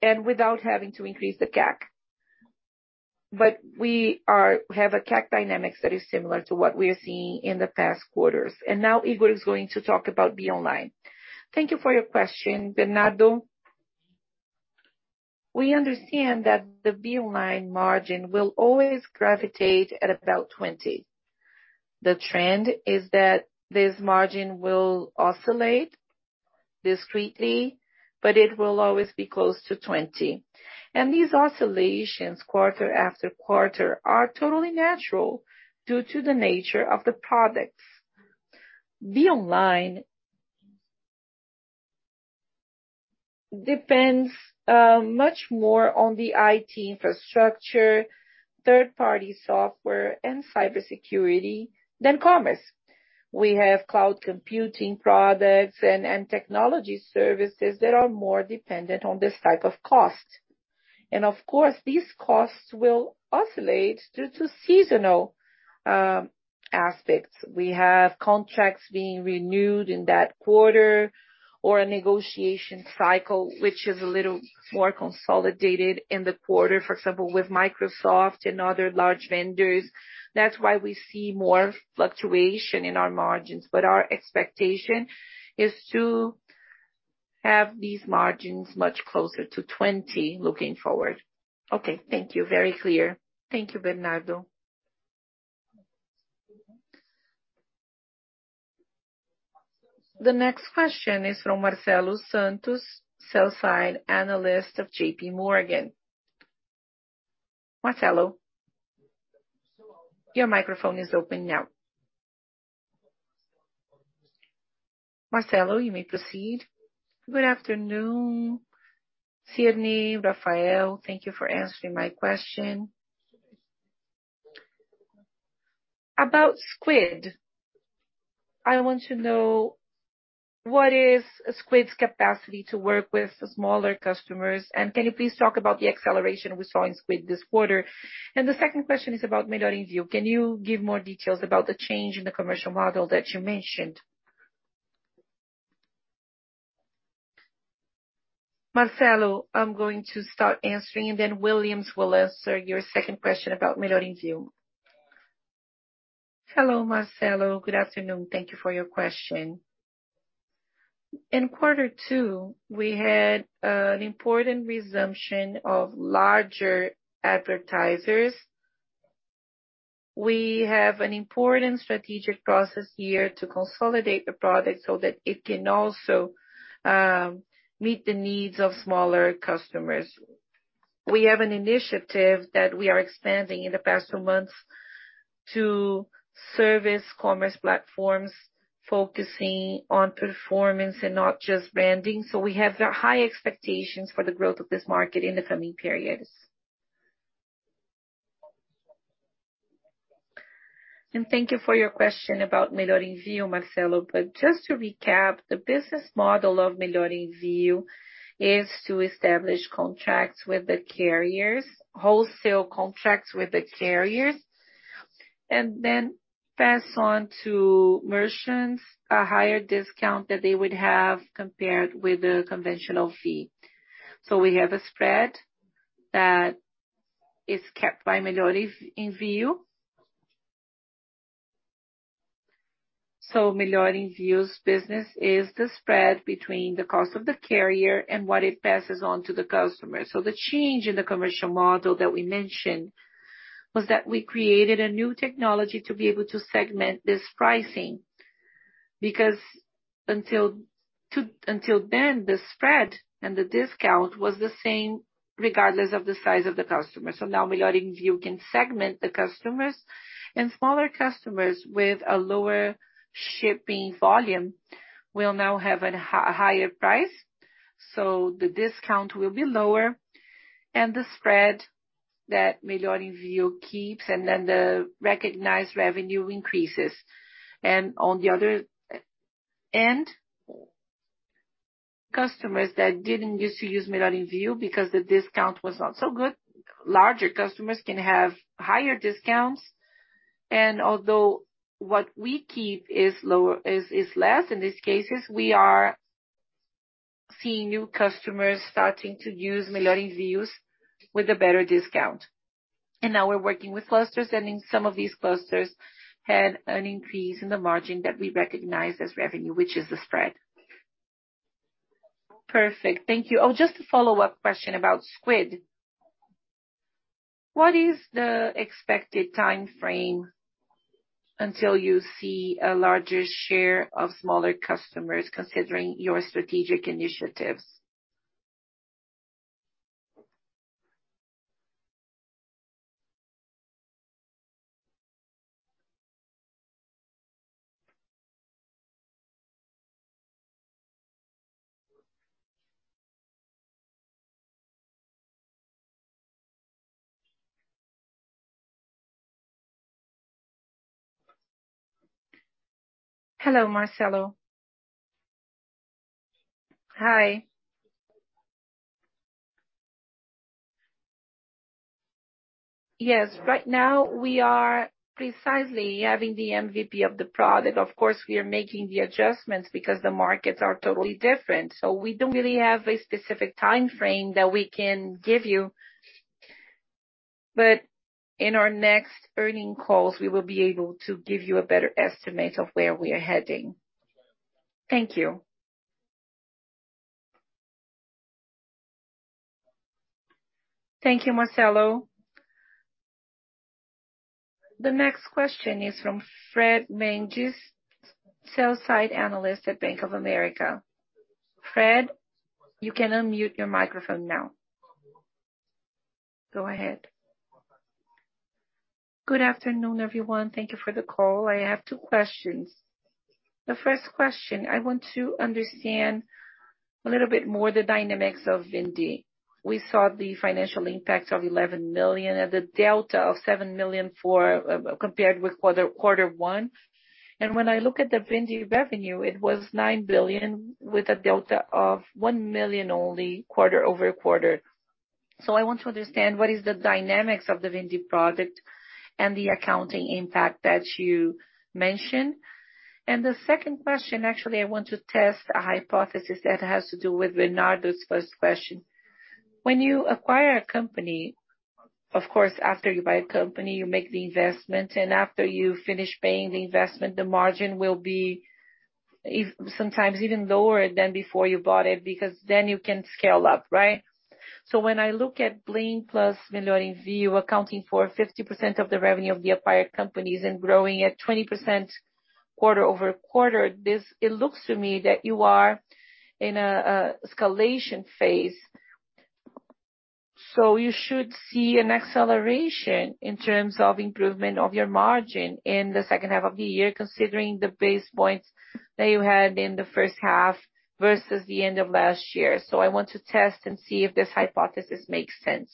and without having to increase the CAC. But we have a CAC dynamics that is similar to what we are seeing in the past quarters. Now Higor is going to talk about BeOnline. Thank you for your question, Bernardo. We understand that the BeOnline margin will always gravitate at about 20%. The trend is that this margin will oscillate discreetly, but it will always be close to 20%. These oscillations quarter after quarter are totally natural due to the nature of the products. BeOnline depends much more on the IT infrastructure, third party software and cybersecurity than commerce. We have cloud computing products and technology services that are more dependent on this type of cost. Of course, these costs will oscillate due to seasonal aspects. We have contracts being renewed in that quarter or a negotiation cycle, which is a little more consolidated in the quarter, for example, with Microsoft and other large vendors. That's why we see more fluctuation in our margins. Our expectation is to have these margins much closer to 20% looking forward. Okay, thank you. Very clear. Thank you, Bernardo. The next question is from Marcelo Santos, sell-side analyst of JPMorgan. Marcelo, your microphone is open now. Marcelo, you may proceed. Good afternoon, Fernando, Rafael, thank you for answering my question. About Squid. I want to know what is Squid's capacity to work with smaller customers, and can you please talk about the acceleration we saw in Squid this quarter? The second question is about Melhor Envio. Can you give more details about the change in the commercial model that you mentioned? Marcelo, I'm going to start answering, and then Willian will answer your second question about Melhor Envio. Hello, Marcelo. Good afternoon. Thank you for your question. In quarter two, we had an important resumption of larger advertisers. We have an important strategic process here to consolidate the product so that it can also meet the needs of smaller customers. We have an initiative that we are expanding in the past 2 months to e-commerce platforms, focusing on performance and not just branding. We have high expectations for the growth of this market in the coming periods. Thank you for your question about Melhor Envio, Marcelo. Just to recap, the business model of Melhor Envio is to establish contracts with the carriers, wholesale contracts with the carriers, and then pass on to merchants a higher discount that they would have compared with the conventional fee. We have a spread that is kept by Melhor Envio. Melhor Envio's business is the spread between the cost of the carrier and what it passes on to the customer. The change in the commercial model that we mentioned was that we created a new technology to be able to segment this pricing, because until then, the spread and the discount was the same regardless of the size of the customer. Now Melhor Envio can segment the customers, and smaller customers with a lower shipping volume will now have a higher price. The discount will be lower and the spread that Melhor Envio keeps and then the recognized revenue increases. On the other end, customers that didn't used to use Melhor Envio because the discount was not so good. Larger customers can have higher discounts, and although what we keep is less in these cases, we are seeing new customers starting to use Melhor Envio with a better discount. Now we're working with clusters, and in some of these clusters had an increase in the margin that we recognize as revenue, which is the spread. Perfect. Thank you. Oh, just a follow-up question about Squid. What is the expected timeframe until you see a larger share of smaller customers considering your strategic initiatives? Hello, Marcelo Santos. Hi. Yes, right now we are precisely having the MVP of the product. Of course, we are making the adjustments because the markets are totally different, so we don't really have a specific timeframe that we can give you. But in our next earnings calls, we will be able to give you a better estimate of where we are heading. Thank you. Thank you, Marcelo Santos. The next question is from Fred Mendes, sell-side analyst at Bank of America. Fred, you can unmute your microphone now. Go ahead. Good afternoon, everyone. Thank you for the call. I have two questions. The first question, I want to understand a little bit more the dynamics of Vindi. We saw the financial impact of 11 million at the delta of 7 million for, compared with quarter one. When I look at the Vindi revenue, it was 9 billion with a delta of 1 million only quarter-over-quarter. I want to understand what is the dynamics of the Vindi product and the accounting impact that you mentioned. The second question, actually, I want to test a hypothesis that has to do with Bernardo's first question. When you acquire a company, of course, after you buy a company, you make the investment, and after you finish paying the investment, the margin will be even sometimes even lower than before you bought it, because then you can scale up, right? When I look at Bling plus Melhor Envio accounting for 50% of the revenue of the acquired companies and growing at 20% quarter-over-quarter, this, it looks to me that you are in an escalation phase. You should see an acceleration in terms of improvement of your margin in the second half of the year, considering the basis points that you had in the first half versus the end of last year. I want to test and see if this hypothesis makes sense.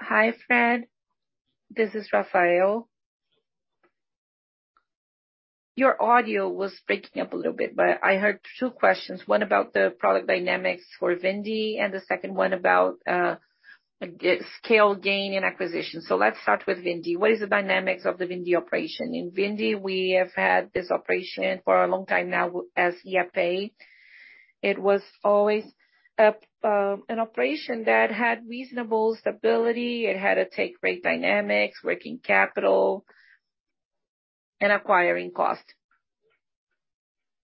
Hi, Fred. This is Rafael. Your audio was breaking up a little bit, but I heard two questions, one about the product dynamics for Vindi and the second one about scale gain and acquisition. Let's start with Vindi. What is the dynamics of the Vindi operation? In Vindi, we have had this operation for a long time now as EFA. It was always an operation that had reasonable stability. It had a take rate dynamics, working capital and acquiring cost.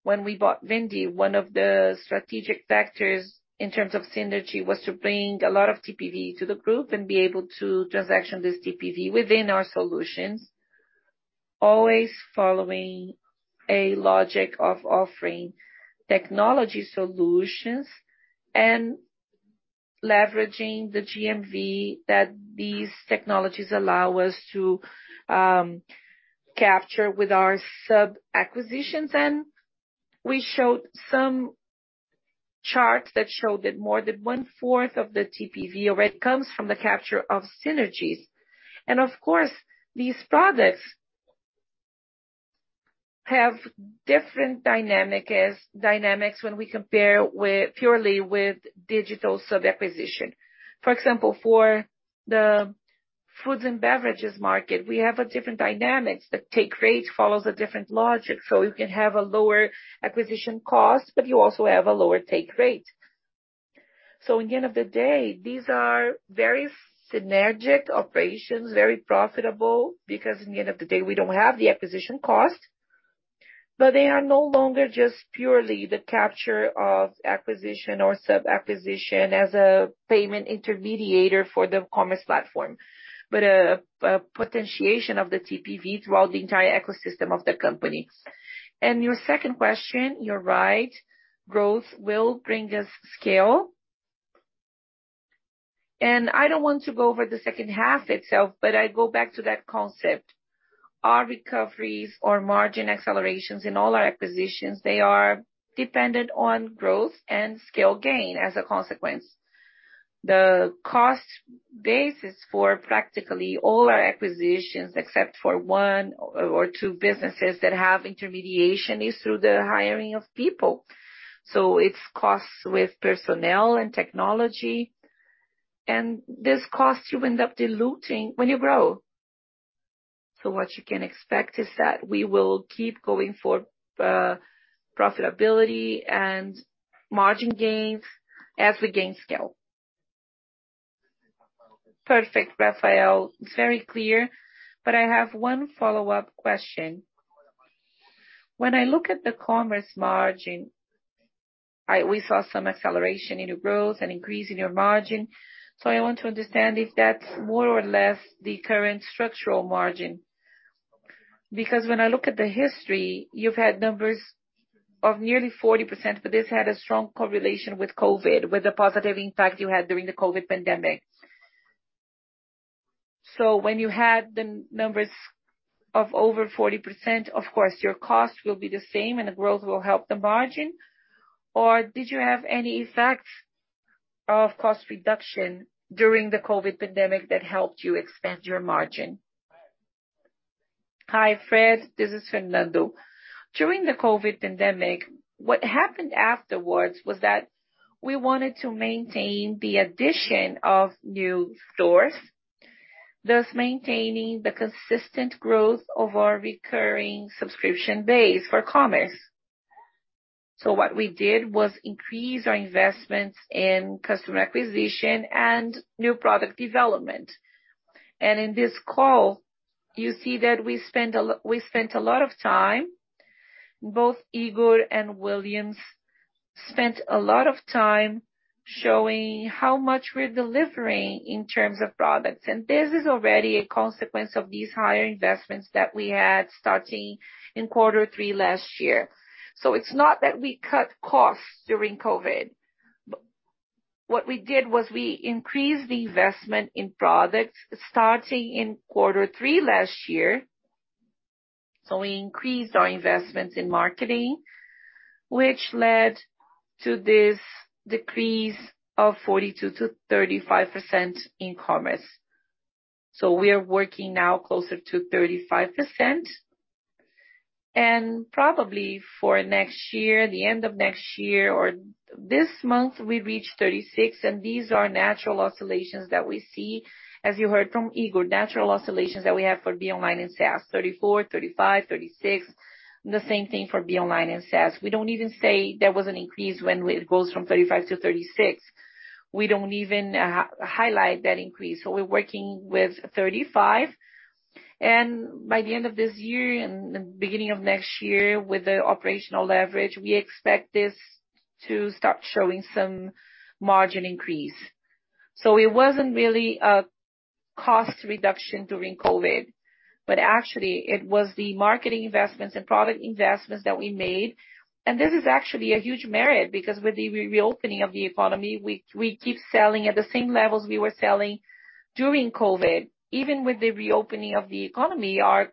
When we bought Vindi, one of the strategic factors in terms of synergy was to bring a lot of TPV to the group and be able to transact this TPV within our solutions. Always following a logic of offering technology solutions and leveraging the GMV that these technologies allow us to capture with our sub-acquisitions. We showed some charts that showed that more than one-fourth of the TPV already comes from the capture of synergies. Of course, these products have different dynamics when we compare purely with digital sub-acquisition. For example, for the foods and beverages market, we have a different dynamics. The take rate follows a different logic, so you can have a lower acquisition cost, but you also have a lower take rate. In the end of the day, these are very synergic operations, very profitable, because in the end of the day, we don't have the acquisition cost. They are no longer just purely the capture of acquisition or sub-acquisition as a payment intermediator for the commerce platform, but a potentiation of the TPV throughout the entire ecosystem of the company. Your second question, you're right, growth will bring us scale. I don't want to go over the second half itself, but I go back to that concept. Our recoveries or margin accelerations in all our acquisitions, they are dependent on growth and scale gain as a consequence. The cost basis for practically all our acquisitions, except for one or two businesses that have intermediation, is through the hiring of people. It's costs with personnel and technology, and this cost you end up diluting when you grow. What you can expect is that we will keep going for profitability and margin gains as we gain scale. Perfect, Rafael. Very clear. I have one follow-up question. When I look at the commerce margin, we saw some acceleration in your growth, an increase in your margin. I want to understand if that's more or less the current structural margin. Because when I look at the history, you've had numbers of nearly 40%, but this had a strong correlation with COVID, with the positive impact you had during the COVID pandemic. When you had the numbers of over 40%, of course, your cost will be the same and the growth will help the margin. Did you have any effects of cost reduction during the COVID pandemic that helped you expand your margin? Hi, Fred, this is Fernando. During the COVID pandemic, what happened afterwards was that we wanted to maintain the addition of new stores, thus maintaining the consistent growth of our recurring subscription base for commerce. What we did was increase our investments in customer acquisition and new product development. In this call, you see that we spent a lot of time, both Higor and Willian spent a lot of time showing how much we're delivering in terms of products. This is already a consequence of these higher investments that we had starting in quarter three last year. It's not that we cut costs during COVID. What we did was we increased the investment in products starting in quarter three last year. We increased our investments in marketing, which led to this decrease of 42%-35% in commerce. We are working now closer to 35%. Probably for next year, the end of next year or this month, we reach 36, and these are natural oscillations that we see, as you heard from Igor, natural oscillations that we have for BeOnline and SaaS, 34, 35, 36. The same thing for BeOnline and SaaS. We don't even say there was an increase when it goes from 35 to 36. We don't even highlight that increase. We're working with 35. By the end of this year and the beginning of next year, with the operational leverage, we expect this to start showing some margin increase. It wasn't really a cost reduction during COVID, but actually it was the marketing investments and product investments that we made. This is actually a huge merit because with the reopening of the economy, we keep selling at the same levels we were selling during COVID. Even with the reopening of the economy, our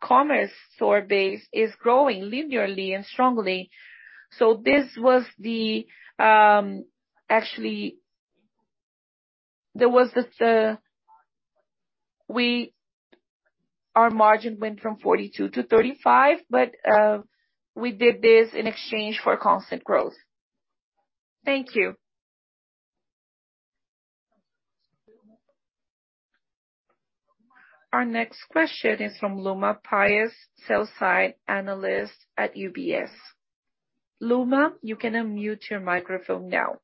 commerce store base is growing linearly and strongly. This was actually. There was this. Our margin went from 42% to 35%, but we did this in exchange for constant growth. Thank you. Our next question is from Luma Matos Pires, sell-side analyst at UBS. Luma, you can unmute your microphone now.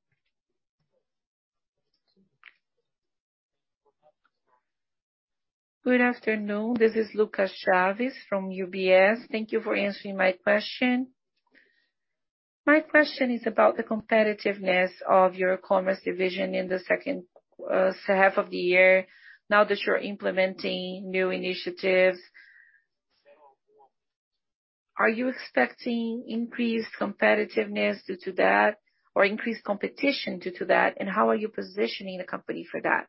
Good afternoon. This is Lucas Chaves from UBS. Thank you for answering my question. My question is about the competitiveness of your commerce division in the second half of the year. Now that you're implementing new initiatives, are you expecting increased competitiveness due to that or increased competition due to that, and how are you positioning the company for that?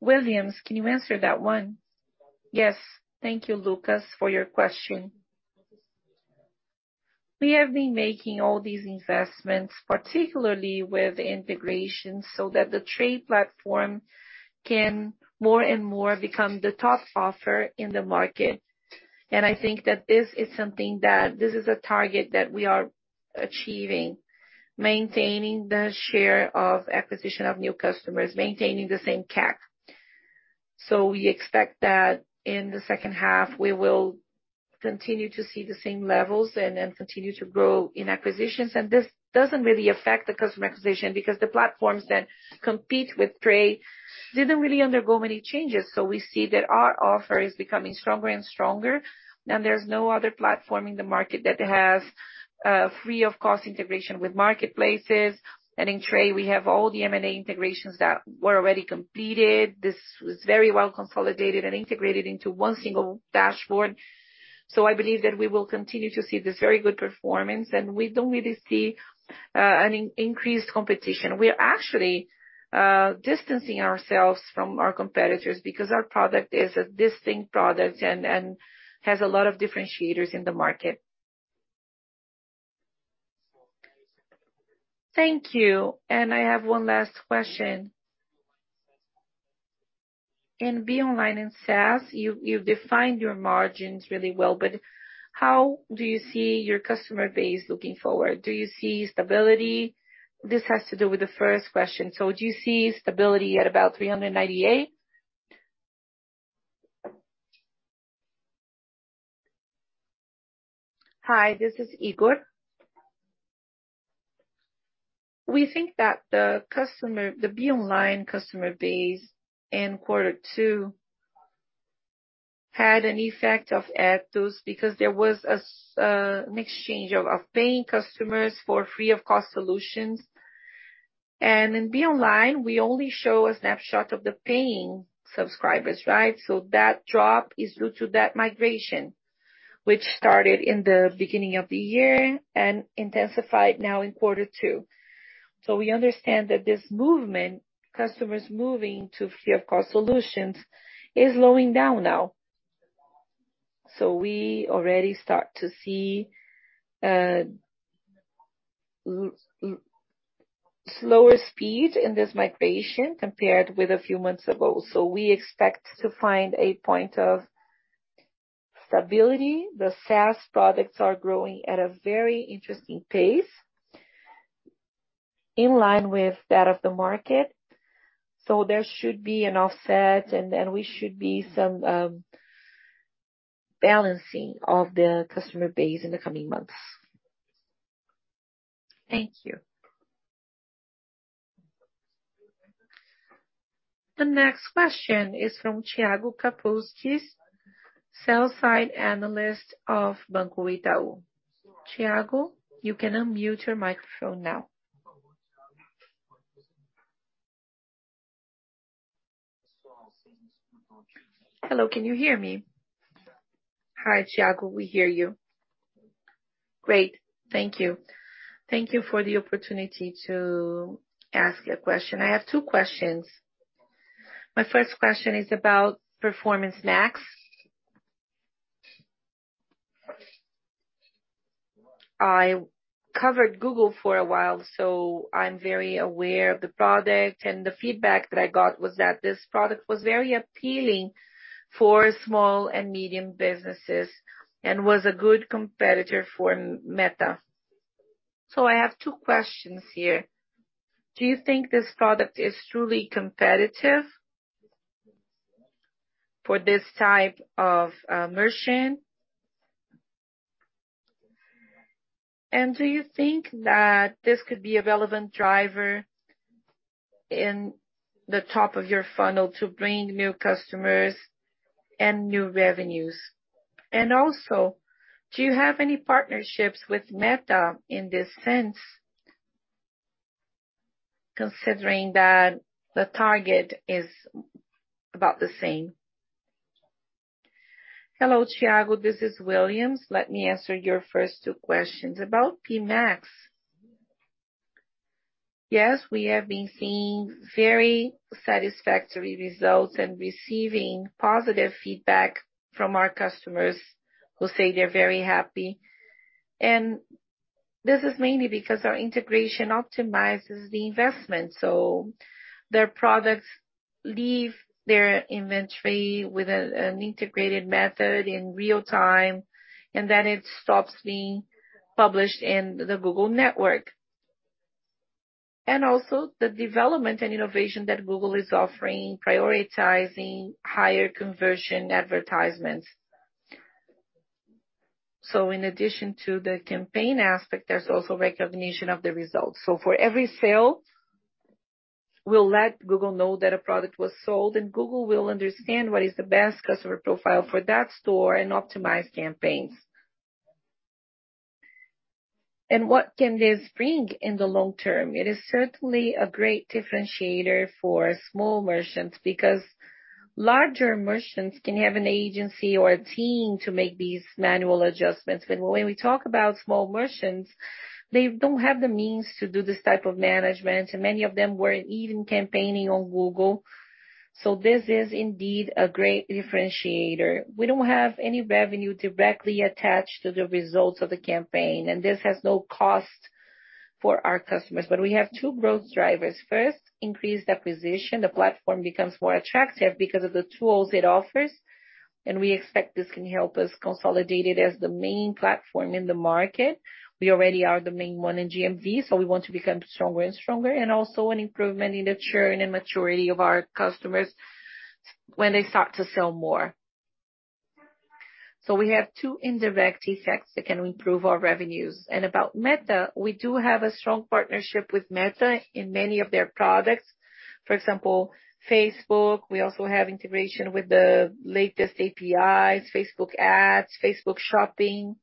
Willian, can you answer that one? Yes. Thank you, Lucas, for your question. We have been making all these investments, particularly with integration, so that the Tray platform can more and more become the top offer in the market. I think that this is a target that we are achieving, maintaining the share of acquisition of new customers, maintaining the same CAC. We expect that in the second half, we will continue to see the same levels and then continue to grow in acquisitions. This doesn't really affect the customer acquisition because the platforms that compete with Tray didn't really undergo many changes. We see that our offer is becoming stronger and stronger. There's no other platform in the market that has free of cost integration with marketplaces. In Tray, we have all the M&A integrations that were already completed. This was very well consolidated and integrated into one single dashboard. I believe that we will continue to see this very good performance, and we don't really see an increased competition. We are actually distancing ourselves from our competitors because our product is a distinct product and has a lot of differentiators in the market. Thank you. I have one last question. In BeOnline and SaaS, you've defined your margins really well, but how do you see your customer base looking forward? Do you see stability? This has to do with the first question. Do you see stability at about 398? Hi, this is Higor. We think that the BeOnline customer base in quarter two had an effect of updates because there was an exchange of paying customers for free of cost solutions. In BeOnline we only show a snapshot of the paying subscribers, right? That drop is due to that migration, which started in the beginning of the year and intensified now in quarter two. We understand that this movement, customers moving to free of cost solutions, is slowing down now. We already start to see slower speed in this migration compared with a few months ago. We expect to find a point of stability. The SaaS products are growing at a very interesting pace, in line with that of the market. There should be an offset and then we should be some balancing of the customer base in the coming months. Thank you. The next question is from Thiago Kapulskis, sell-side analyst of Banco Itaú BBA. Thiago, you can unmute your microphone now. Hello, can you hear me? Hi, Thiago. We hear you. Great. Thank you. Thank you for the opportunity to ask a question. I have two questions. My first question is about Performance Max. I covered Google for a while, so I'm very aware of the product. The feedback that I got was that this product was very appealing for small and medium businesses, and was a good competitor for Meta. I have two questions here: Do you think this product is truly competitive for this type of merchant? And do you think that this could be a relevant driver in the top of your funnel to bring new customers and new revenues? And also, do you have any partnerships with Meta in this sense, considering that the target is about the same? Hello, Thiago, this is Willian. Let me answer your first two questions. About PMax. Yes, we have been seeing very satisfactory results and receiving positive feedback from our customers who say they're very happy. This is mainly because our integration optimizes the investment, so their products leave their inventory with an integrated method in real time, and then it stops being published in the Google network. Also the development and innovation that Google is offering, prioritizing higher conversion advertisements. In addition to the campaign aspect, there's also recognition of the results. For every sale, we'll let Google know that a product was sold, and Google will understand what is the best customer profile for that store and optimize campaigns. What can this bring in the long term? It is certainly a great differentiator for small merchants, because larger merchants can have an agency or a team to make these manual adjustments. When we talk about small merchants, they don't have the means to do this type of management, and many of them weren't even campaigning on Google. This is indeed a great differentiator. We don't have any revenue directly attached to the results of the campaign, and this has no cost for our customers. We have two growth drivers. First, increased acquisition. The platform becomes more attractive because of the tools it offers, and we expect this can help us consolidate it as the main platform in the market. We already are the main one in GMV, so we want to become stronger and stronger. Also an improvement in the churn and maturity of our customers when they start to sell more. We have two indirect effects that can improve our revenues. About Meta, we do have a strong partnership with Meta in many of their products. For example, Facebook. We also have integration with the latest APIs, Facebook Ads, Facebook Shopping,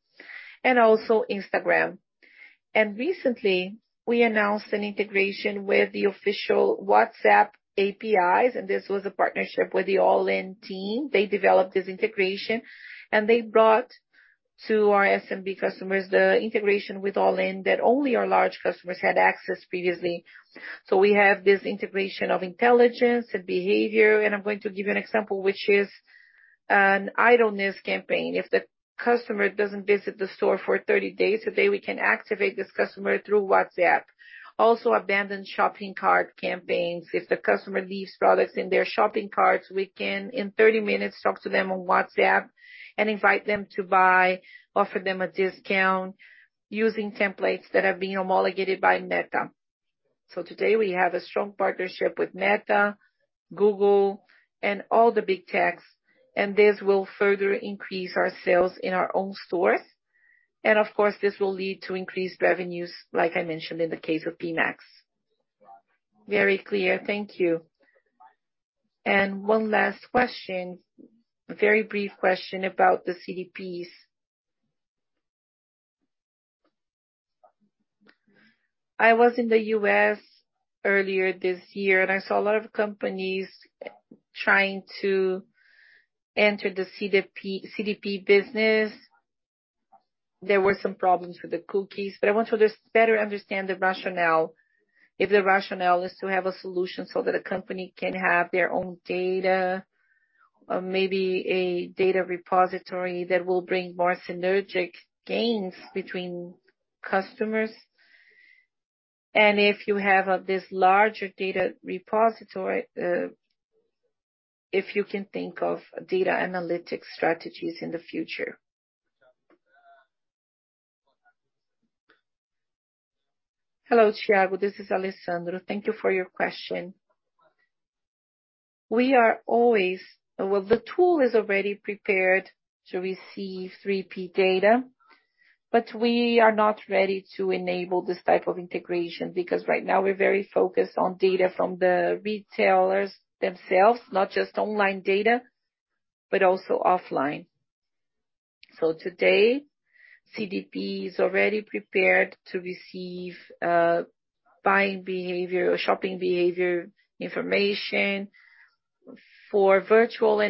and also Instagram. Recently we announced an integration with the official WhatsApp APIs, and this was a partnership with the Allin team. They developed this integration, and they brought to our SMB customers the integration with Allin that only our large customers had access previously. We have this integration of intelligence and behavior, and I'm going to give you an example which is an idleness campaign. If the customer doesn't visit the store for 30 days, today we can activate this customer through WhatsApp. Also abandoned shopping cart campaigns. If the customer leaves products in their shopping carts, we can, in 30 minutes, talk to them on WhatsApp and invite them to buy, offer them a discount using templates that have been homologated by Meta. Today, we have a strong partnership with Meta, Google, and all the Big Techs, and this will further increase our sales in our own stores. Of course, this will lead to increased revenues, like I mentioned in the case of PMax. Very clear. Thank you. One last question, a very brief question about the CDPs. I was in the U.S. earlier this year, and I saw a lot of companies trying to enter the CDP business. There were some problems with the cookies, but I want to just better understand the rationale. If the rationale is to have a solution so that a company can have their own data or maybe a data repository that will bring more synergistic gains between customers. If you have this larger data repository, if you can think of data analytics strategies in the future. Hello, Thiago, this is Alessandro. Thank you for your question. We are always. Well, the tool is already prepared to receive 3P data, but we are not ready to enable this type of integration because right now we're very focused on data from the retailers themselves. Not just online data, but also offline. Today, CDP is already prepared to receive buying behavior or shopping behavior information for virtual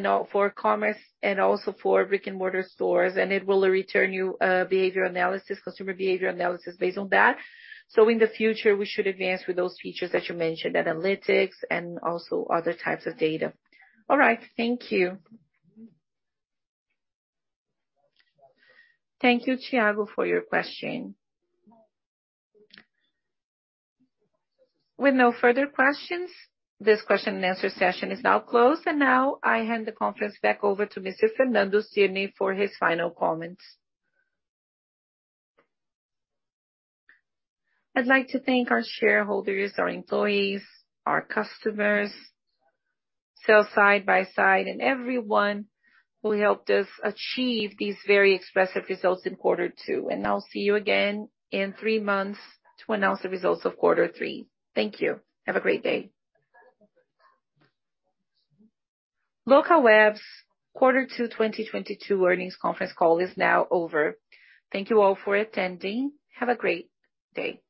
commerce and also for brick-and-mortar stores. It will return you behavior analysis, customer behavior analysis based on that. In the future, we should advance with those features that you mentioned, analytics and also other types of data. All right. Thank you. Thank you, Thiago, for your question. With no further questions, this question and answer session is now closed. Now I hand the conference back over to Mr. Fernando Cirne for his final comments. I'd like to thank our shareholders, our employees, our customers, sell-side analysts, and everyone who helped us achieve these very expressive results in quarter two. I'll see you again in three months to announce the results of quarter three. Thank you. Have a great day. Locaweb's quarter 2 2022 earnings conference call is now over. Thank you all for attending. Have a great day.